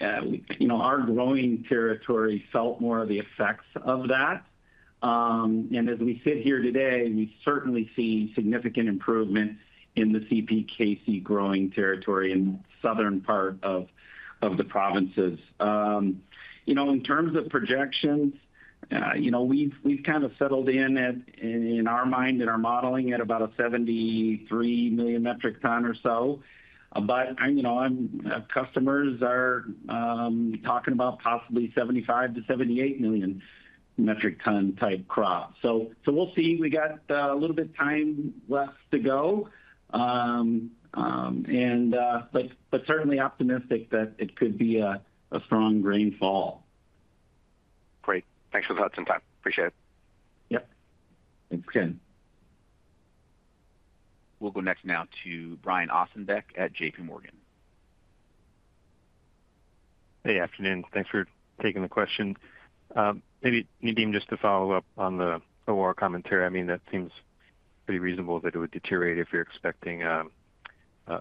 [SPEAKER 4] you know, our growing territory felt more of the effects of that. And as we sit here today, we certainly see significant improvement in the CPKC growing territory in the southern part of the provinces. You know, in terms of projections, you know, we've kind of settled in at, in our mind, in our modeling, at about 73 million metric ton or so. But, you know, customers are talking about possibly 75-78 million metric ton type crop. So we'll see. We got a little bit of time left to go. Certainly optimistic that it could be a strong grain fall.
[SPEAKER 14] Great. Thanks for the thoughts and time. Appreciate it.
[SPEAKER 4] Yep. Thanks, Ken.
[SPEAKER 1] We'll go next now to Brian Ossenbeck at JP Morgan.
[SPEAKER 15] Hey, afternoon. Thanks for taking the question. Maybe, Nadeem, just to follow up on the OR commentary. I mean, that seems pretty reasonable that it would deteriorate if you're expecting a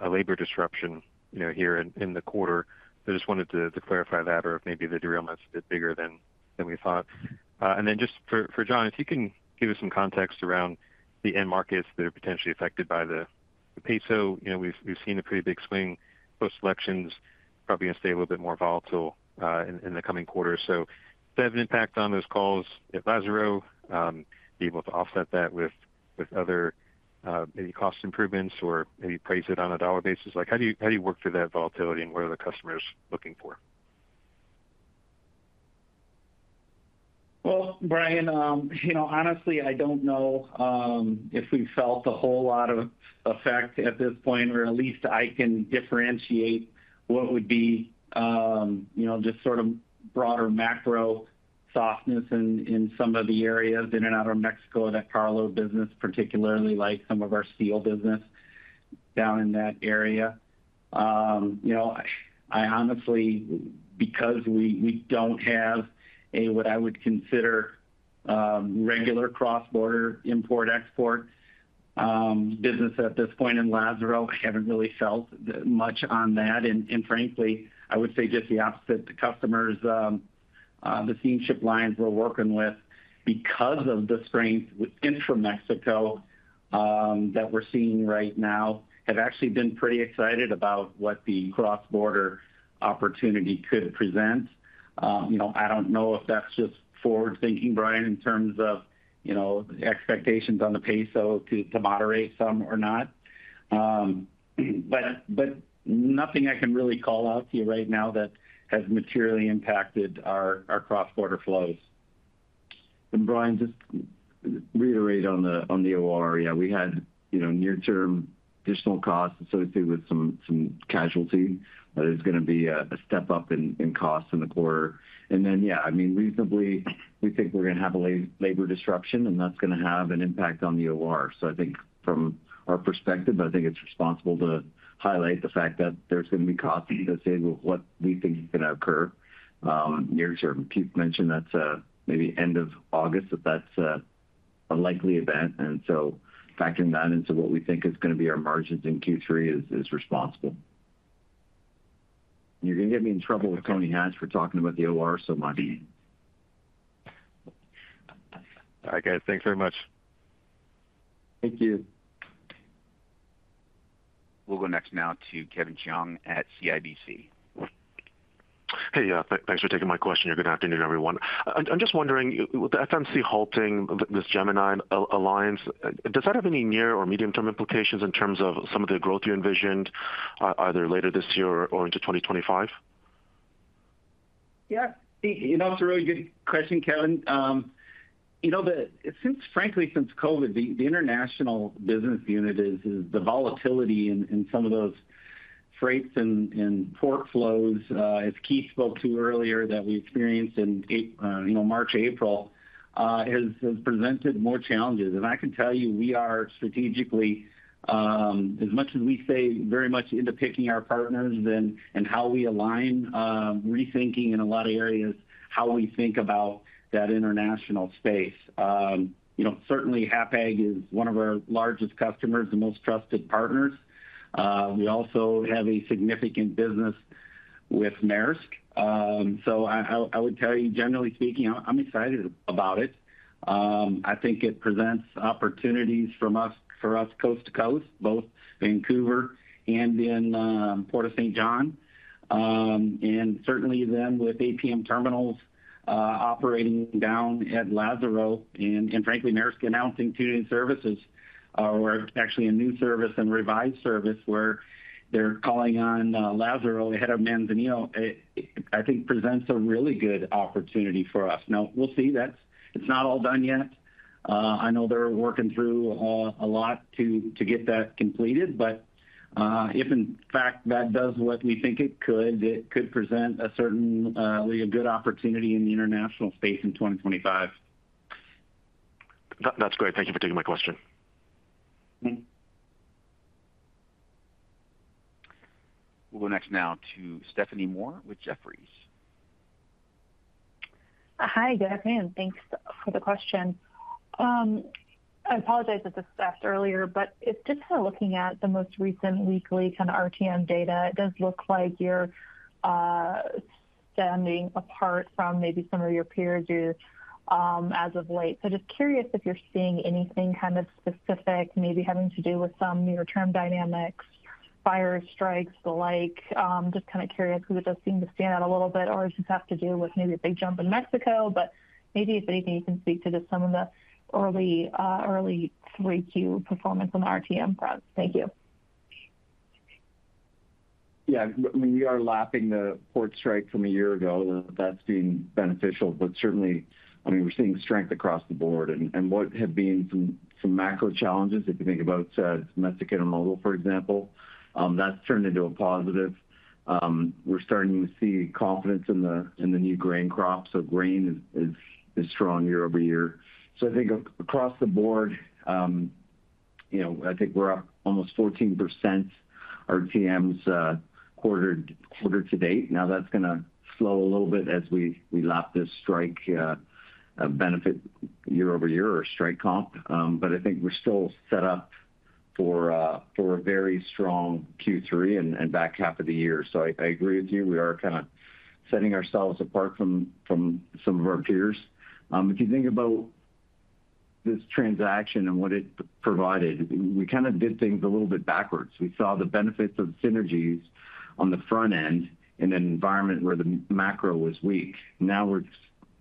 [SPEAKER 15] labor disruption, you know, here in the quarter. So just wanted to clarify that, or if maybe the derailment is a bit bigger than we thought. And then just for John, if you can give us some context around the end markets that are potentially affected by the peso. You know, we've seen a pretty big swing post-elections, probably going to stay a little bit more volatile in the coming quarter. So does it have an impact on those calls at Lázaro, be able to offset that with other maybe cost improvements or maybe price it on a dollar basis? Like, how do you work through that volatility, and what are the customers looking for?
[SPEAKER 4] Well, Brian, you know, honestly, I don't know if we've felt a whole lot of effect at this point, or at least I can differentiate what would be, you know, just sort of broader macro softness in some of the areas in and out of Mexico, that cargo business, particularly like some of our steel business down in that area. You know, I honestly, because we don't have a what I would consider regular cross-border import-export business at this point in Lázaro, I haven't really felt much on that. Frankly, I would say just the opposite to customers, the steamship lines we're working with, because of the strength within Mexico that we're seeing right now, have actually been pretty excited about what the cross-border opportunity could present. You know, I don't know if that's just forward-thinking, Brian, in terms of, you know, expectations on the peso to moderate some or not. But nothing I can really call out to you right now that has materially impacted our cross-border flows.
[SPEAKER 5] And Brian, just to reiterate on the OR, yeah, we had, you know, near-term additional costs associated with some casualty. There's going to be a step-up in costs in the quarter. And then, yeah, I mean, reasonably, we think we're going to have a labor disruption, and that's going to have an impact on the OR. So I think from our perspective, I think it's responsible to highlight the fact that there's going to be costs associated with what we think is going to occur near term. Keith mentioned that's maybe end of August, that that's a likely event, and so factoring that into what we think is going to be our margins in Q3 is responsible. You're going to get me in trouble with Tony Hatch for talking about the OR so much.
[SPEAKER 15] All right, guys. Thanks very much.
[SPEAKER 4] Thank you.
[SPEAKER 1] We'll go next now to Kevin Chiang at CIBC.
[SPEAKER 16] Hey, yeah. Thanks for taking my question. Good afternoon, everyone. I'm just wondering, with the FMC halting this Gemini Alliance, does that have any near or medium-term implications in terms of some of the growth you envisioned, either later this year or into 2025?
[SPEAKER 4] Yeah, you know, it's a really good question, Kevin. You know, the... since frankly, since COVID, the international business unit is the volatility in some of those freights and port flows, as Keith spoke to earlier, that we experienced in March, April, has presented more challenges. And I can tell you, we are strategically, as much as we say, very much into picking our partners and how we align, rethinking in a lot of areas, how we think about that international space. You know, certainly, Hapag-Lloyd is one of our largest customers and most trusted partners. We also have a significant business with Maersk. So I would tell you, generally speaking, I'm excited about it. I think it presents opportunities for us, coast to coast, both Vancouver and in Port of Saint John. And certainly then with APM Terminals operating down at Lázaro Cárdenas, and frankly, Maersk announcing two new services, or actually a new service and revised service, where they're calling on Lázaro Cárdenas ahead of Manzanillo, it I think presents a really good opportunity for us. Now, we'll see. It's not all done yet. I know they're working through a lot to get that completed, but if in fact that does what we think it could, it could present a certain really a good opportunity in the international space in 2025.
[SPEAKER 16] That, that's great. Thank you for taking my question.
[SPEAKER 4] Mm-hmm.
[SPEAKER 1] We'll go next now to Stephanie Moore with Jefferies.
[SPEAKER 17] Hi, guys, and thanks for the question. I apologize if this was asked earlier, but it's just kind of looking at the most recent weekly kind of RTM data. It does look like you're standing apart from maybe some of your peers as of late. So just curious if you're seeing anything kind of specific, maybe having to do with some near-term dynamics, fire, strikes, the like, just kind of curious because it does seem to stand out a little bit, or it just has to do with maybe a big jump in Mexico, but maybe if anything, you can speak to just some of the early early 3Q performance on the RTM front. Thank you.
[SPEAKER 5] Yeah, I mean, we are lapping the port strike from a year ago. That's been beneficial, but certainly, I mean, we're seeing strength across the board. What have been some macro challenges, if you think about Mexican modal, for example, that's turned into a positive. We're starting to see confidence in the new grain crop, so grain is strong year-over-year. So I think across the board.... you know, I think we're up almost 14%, our TMs, quarter-to-date. Now, that's gonna slow a little bit as we lap this strike benefit year-over-year or strike comp. But I think we're still set up for a very strong Q3 and back half of the year. So I agree with you. We are kind of setting ourselves apart from some of our peers. If you think about this transaction and what it provided, we kind of did things a little bit backwards. We saw the benefits of synergies on the front end in an environment where the macro was weak. Now we're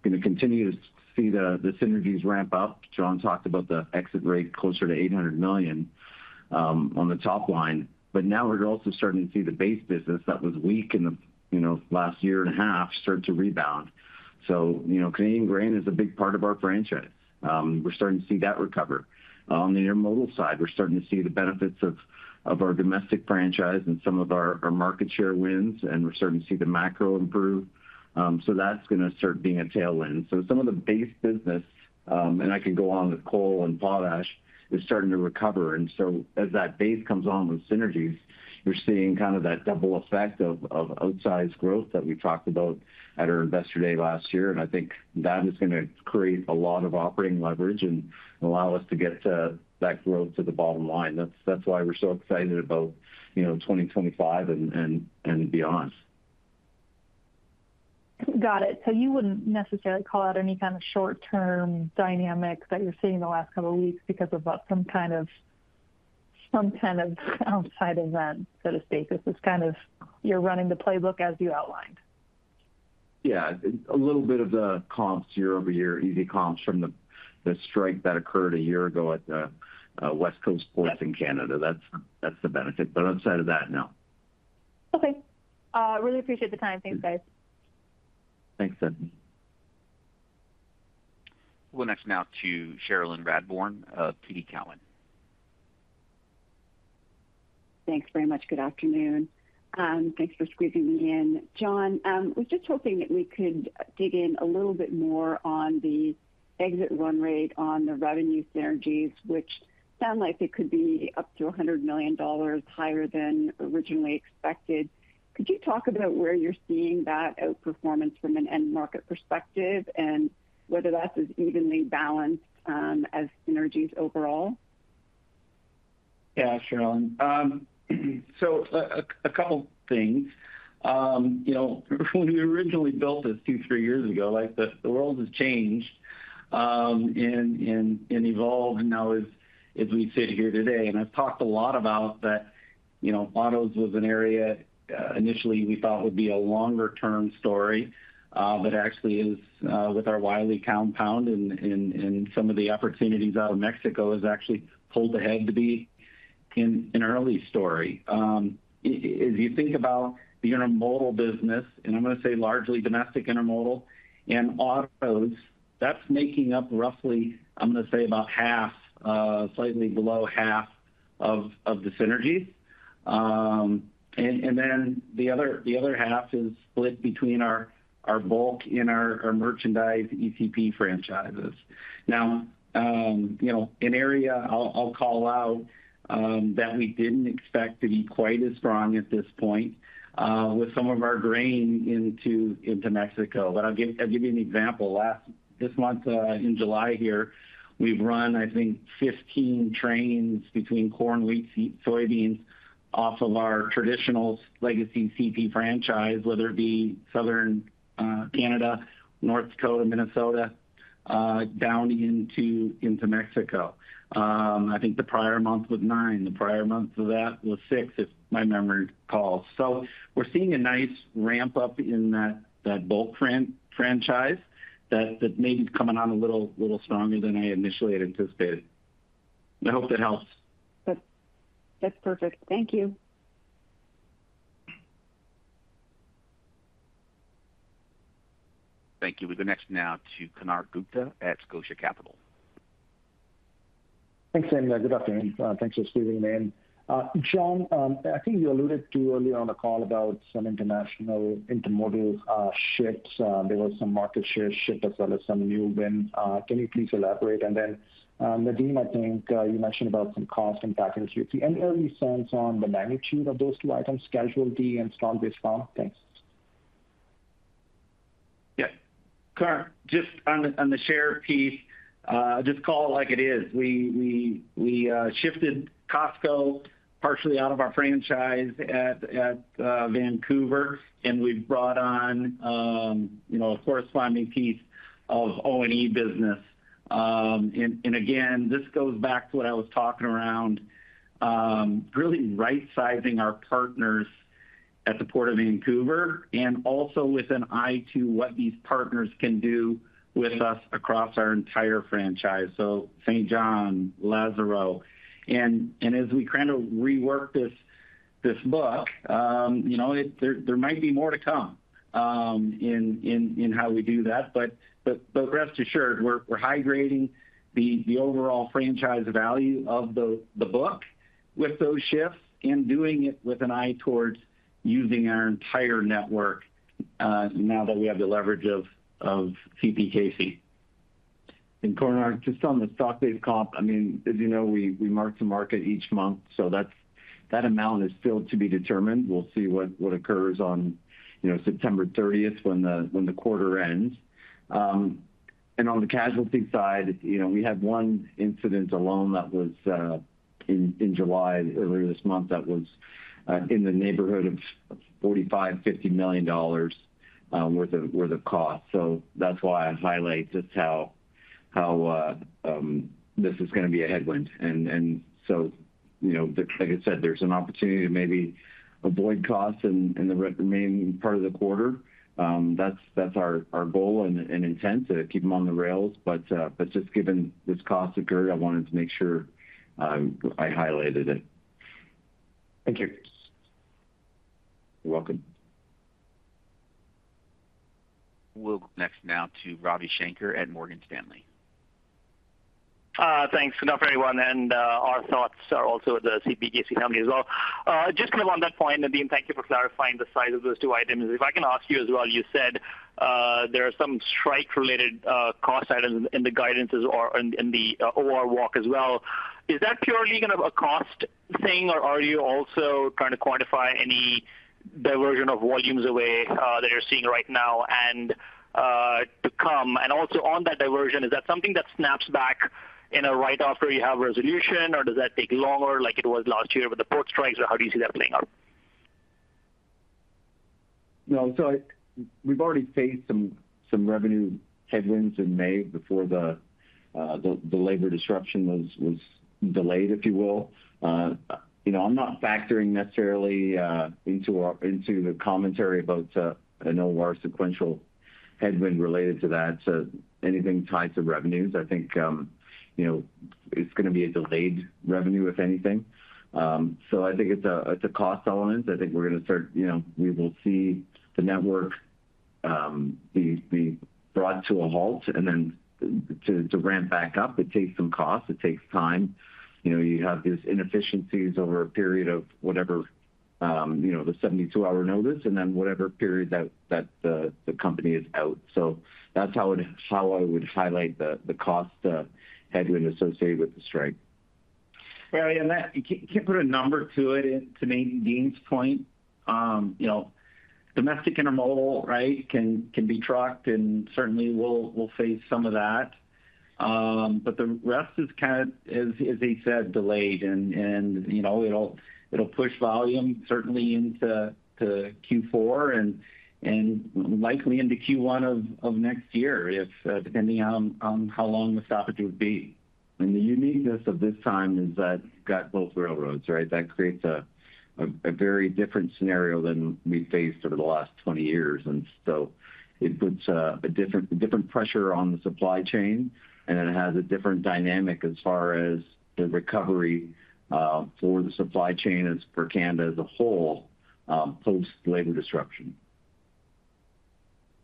[SPEAKER 5] gonna continue to see the synergies ramp up. John talked about the exit rate closer to $800 million on the top line.
[SPEAKER 4] But now we're also starting to see the base business that was weak in the, you know, last year and a half, start to rebound. So, you know, Canadian grain is a big part of our franchise. We're starting to see that recover. On the intermodal side, we're starting to see the benefits of, of our domestic franchise and some of our, our market share wins, and we're starting to see the macro improve. So that's gonna start being a tailwind. So some of the base business, and I can go on with coal and potash, is starting to recover. And so as that base comes on with synergies, we're seeing kind of that double effect of, of outsized growth that we talked about at our Investor Day last year. I think that is gonna create a lot of operating leverage and allow us to get that growth to the bottom line. That's why we're so excited about, you know, 2025 and beyond.
[SPEAKER 17] Got it. So you wouldn't necessarily call out any kind of short-term dynamics that you're seeing in the last couple of weeks because of some kind of outside event, so to speak? This is kind of... You're running the playbook as you outlined.
[SPEAKER 4] Yeah. A little bit of the comps year over year, easy comps from the strike that occurred a year ago at the West Coast ports in Canada. That's the benefit. But outside of that, no.
[SPEAKER 17] Okay. Really appreciate the time. Thanks, guys.
[SPEAKER 4] Thanks, Stephanie.
[SPEAKER 1] We'll next now to Cherilyn Radbourne of TD Cowen.
[SPEAKER 18] Thanks very much. Good afternoon, and thanks for squeezing me in. John, was just hoping that we could dig in a little bit more on the exit run rate on the revenue synergies, which sound like it could be up to $100 million higher than originally expected. Could you talk about where you're seeing that outperformance from an end market perspective, and whether that is evenly balanced, as synergies overall?
[SPEAKER 4] Yeah, Cherilyn. So a couple things. You know, when we originally built this 2-3 years ago, like, the world has changed and evolved now as we sit here today. And I've talked a lot about that, you know, autos was an area initially we thought would be a longer-term story, but actually is with our Wylie Compound and some of the opportunities out of Mexico, has actually pulled ahead to be an early story. If you think about the intermodal business, and I'm going to say largely domestic intermodal and autos, that's making up roughly, I'm going to say, about half, slightly below half of the synergies. And then the other half is split between our bulk and our merchandise ECP franchises. Now, you know, an area I'll call out, that we didn't expect to be quite as strong at this point, with some of our grain into Mexico. But I'll give you an example. This month, in July here, we've run, I think, 15 trains between corn, wheat, seed, soybeans, off of our traditional legacy CP franchise, whether it be southern Canada, North Dakota, Minnesota, down into Mexico. I think the prior month was nine, the prior month to that was six, if my memory calls. So we're seeing a nice ramp-up in that bulk franchise, that maybe is coming on a little stronger than I initially had anticipated. I hope that helps.
[SPEAKER 18] That's perfect. Thank you.
[SPEAKER 1] Thank you. We go next now to Konark Gupta at Scotia Capital.
[SPEAKER 19] Thanks, Andy. Good afternoon. Thanks for squeezing me in. John, I think you alluded to earlier on the call about some international intermodal shifts. There was some market share shift as well as some new wins. Can you please elaborate? And then, Nadeem, I think you mentioned about some cost impact in Q3. Any early sense on the magnitude of those two items, casualty and strong base farm? Thanks.
[SPEAKER 4] Yeah. Kunal, just on the share piece, just call it like it is. We shifted Costco partially out of our franchise at Vancouver, and we've brought on, you know, a corresponding piece of O&E business. And again, this goes back to what I was talking around, really right-sizing our partners at the Port of Vancouver, and also with an eye to what these partners can do with us across our entire franchise, so Saint John, Lázaro. And as we kind of rework this book, you know, there might be more to come, in how we do that. But rest assured, we're high-grading the overall franchise value of the book....
[SPEAKER 5] with those shifts and doing it with an eye towards using our entire network, now that we have the leverage of, of CPKC. And Conor, just on the stock base comp, I mean, as you know, we, we mark the market each month, so that's that amount is still to be determined. We'll see what, what occurs on, you know, September thirtieth when the, when the quarter ends. And on the casualty side, you know, we had one incident alone that was, in, in July, earlier this month, that was, in the neighborhood of $45-$50 million, worth of, worth of cost. So that's why I highlight just how, how, this is gonna be a headwind. And, and so, you know, like I said, there's an opportunity to maybe avoid costs in, in the remaining part of the quarter.
[SPEAKER 4] That's our goal and intent to keep them on the rails. But just given this cost occurred, I wanted to make sure I highlighted it.
[SPEAKER 19] Thank you.
[SPEAKER 4] You're welcome.
[SPEAKER 1] We'll go next now to Ravi Shanker at Morgan Stanley.
[SPEAKER 20] Thanks. Good afternoon, everyone, and our thoughts are also with the CPKC company as well. Just kind of on that point, Nadeem, thank you for clarifying the size of those two items. If I can ask you as well, you said there are some strike-related cost items in the guidances or in the OR walk as well. Is that purely kind of a cost thing, or are you also trying to quantify any diversion of volumes away that you're seeing right now and to come? And also, on that diversion, is that something that snaps back, you know, right after you have a resolution, or does that take longer, like it was last year with the port strikes, or how do you see that playing out?
[SPEAKER 5] No, so I-- we've already faced some revenue headwinds in May before the labor disruption was delayed, if you will. You know, I'm not factoring necessarily into our-- into the commentary about an OR sequential headwind related to that. So anything tied to revenues, I think, you know, it's gonna be a delayed revenue, if anything. So I think it's a cost element. I think we're gonna start, you know, we will see the network be brought to a halt, and then to ramp back up, it takes some cost. It takes time. You know, you have these inefficiencies over a period of whatever, you know, the 72-hour notice, and then whatever period that the company is out. So that's how I'd, how I would highlight the cost headwind associated with the strike.
[SPEAKER 4] Well, and that, you can put a number to it, and to maybe Dean's point, you know, domestic intermodal, right, can be tracked, and certainly we'll face some of that. But the rest is kind of, as he said, delayed and, you know, it'll push volume certainly into Q4 and likely into Q1 of next year, if depending on how long the stoppage would be.
[SPEAKER 5] The uniqueness of this time is that you've got both railroads, right? That creates a very different scenario than we've faced over the last 20 years. So it puts a different pressure on the supply chain, and it has a different dynamic as far as the recovery for the supply chain as for Canada as a whole, post-labor disruption.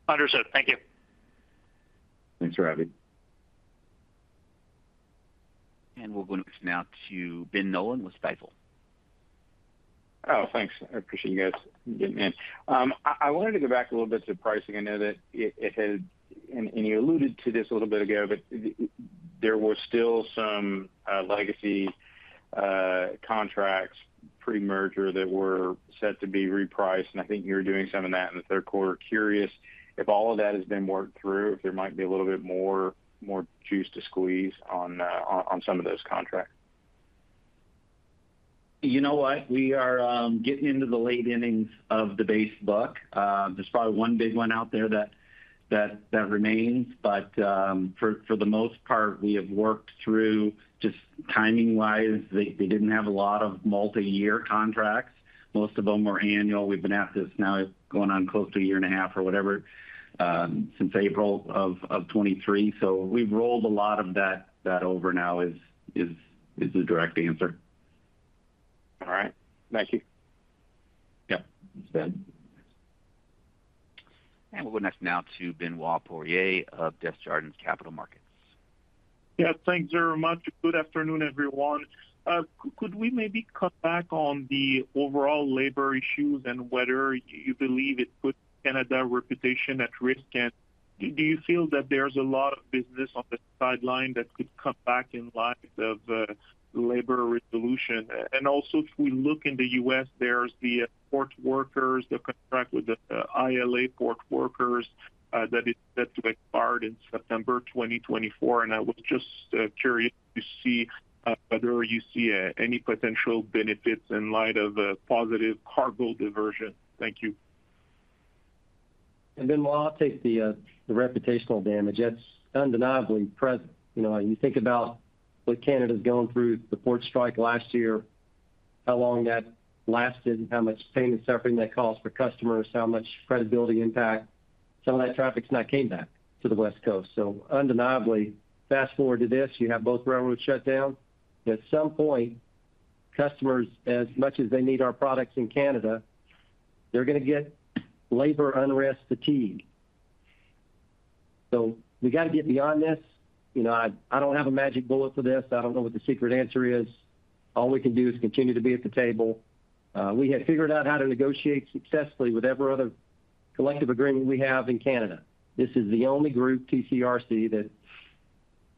[SPEAKER 20] Understood. Thank you.
[SPEAKER 5] Thanks, Ravi.
[SPEAKER 1] We'll go next, now to Ben Nolan with Stifel.
[SPEAKER 21] Oh, thanks. I appreciate you guys getting me in. I wanted to go back a little bit to the pricing. I know that it had, and you alluded to this a little bit ago, but there was still some legacy contracts pre-merger that were set to be repriced, and I think you're doing some of that in the third quarter. Curious if all of that has been worked through, if there might be a little bit more juice to squeeze on some of those contracts.
[SPEAKER 5] You know what? We are getting into the late innings of the base book. There's probably one big one out there that remains, but for the most part, we have worked through. Just timing-wise, they didn't have a lot of multiyear contracts. Most of them were annual. We've been at this now going on close to a year and a half or whatever, since April of 2023. So we've rolled a lot of that over now, is the direct answer.
[SPEAKER 21] All right. Thank you.
[SPEAKER 5] Yep. Thanks, Ben.
[SPEAKER 1] We'll go next now to Benoit Poirier of Desjardins Capital Markets.
[SPEAKER 22] Yeah, thanks very much. Good afternoon, everyone. Could we maybe cut back on the overall labor issues and whether you believe it puts Canada's reputation at risk? And do you feel that there's a lot of business on the sideline that could cut back in light of labor resolution? And also, if we look in the U.S., there's the port workers, the contract with the ILA port workers, that is set to expire in September 2024, and I was just curious to see whether you see any potential benefits in light of a positive cargo diversion. Thank you.
[SPEAKER 5] And then, well, I'll take the reputational damage. That's undeniably present. You know, you think about what Canada's going through, the port strike last year, how long that lasted, and how much pain and suffering that caused for customers, how much credibility impact. Some of that traffic's not came back to the West Coast. So undeniably, fast-forward to this, you have both railroads shut down. At some point, customers, as much as they need our products in Canada, they're gonna get labor unrest fatigue....
[SPEAKER 3] So we gotta get beyond this. You know, I don't have a magic bullet for this. I don't know what the secret answer is. All we can do is continue to be at the table. We have figured out how to negotiate successfully with every other collective agreement we have in Canada. This is the only group, TCRC, that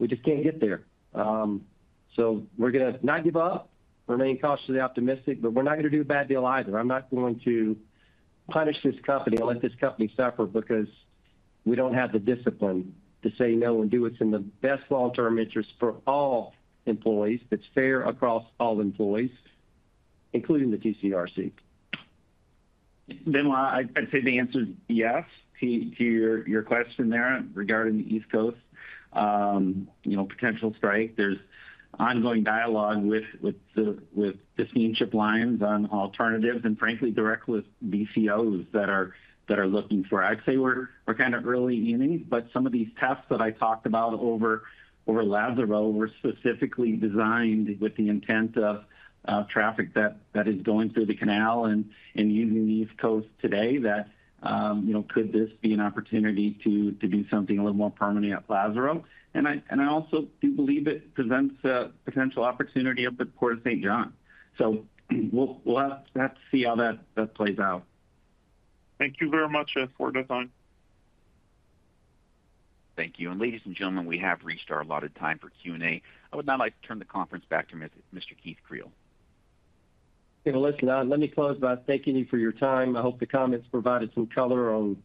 [SPEAKER 3] we just can't get there. So we're gonna not give up, remain cautiously optimistic, but we're not gonna do a bad deal either. I'm not going to punish this company or let this company suffer because we don't have the discipline to say no and do what's in the best long-term interest for all employees, that's fair across all employees, including the TCRC.
[SPEAKER 4] Well, I'd say the answer is yes to your question there regarding the East Coast. You know, potential strike. There's ongoing dialogue with the steamship lines on alternatives, and frankly, directly with BCOs that are looking for... I'd say we're kind of early innings, but some of these tests that I talked about over Lázaro were specifically designed with the intent of traffic that is going through the canal and using the East Coast today. That, you know, could this be an opportunity to do something a little more permanently at Lázaro? And I also do believe it presents a potential opportunity up at the Port of Saint John. So we'll have to see how that plays out.
[SPEAKER 22] Thank you very much for your time.
[SPEAKER 1] Thank you, and ladies and gentlemen, we have reached our allotted time for Q&A. I would now like to turn the conference back to Mr. Keith Creel.
[SPEAKER 3] Hey, listen, let me close by thanking you for your time. I hope the comments provided some color on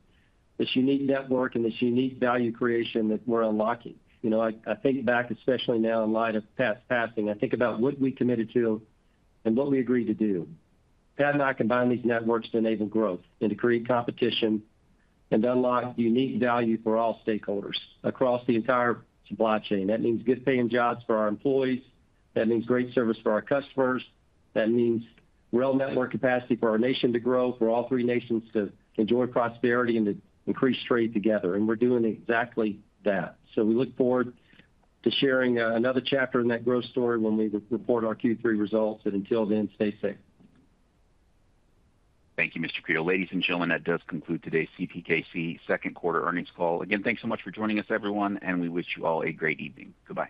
[SPEAKER 3] this unique network and this unique value creation that we're unlocking. You know, I think back, especially now in light of Pat's passing, I think about what we committed to and what we agreed to do. Pat and I combined these networks to enable growth and to create competition and unlock unique value for all stakeholders across the entire supply chain. That means good-paying jobs for our employees. That means great service for our customers. That means rail network capacity for our nation to grow, for all three nations to enjoy prosperity and to increase trade together, and we're doing exactly that. So we look forward to sharing another chapter in that growth story when we report our Q3 results, and until then, stay safe.
[SPEAKER 1] Thank you, Mr. Creel. Ladies and gentlemen, that does conclude today's CPKC second quarter earnings call. Again, thanks so much for joining us, everyone, and we wish you all a great evening. Goodbye.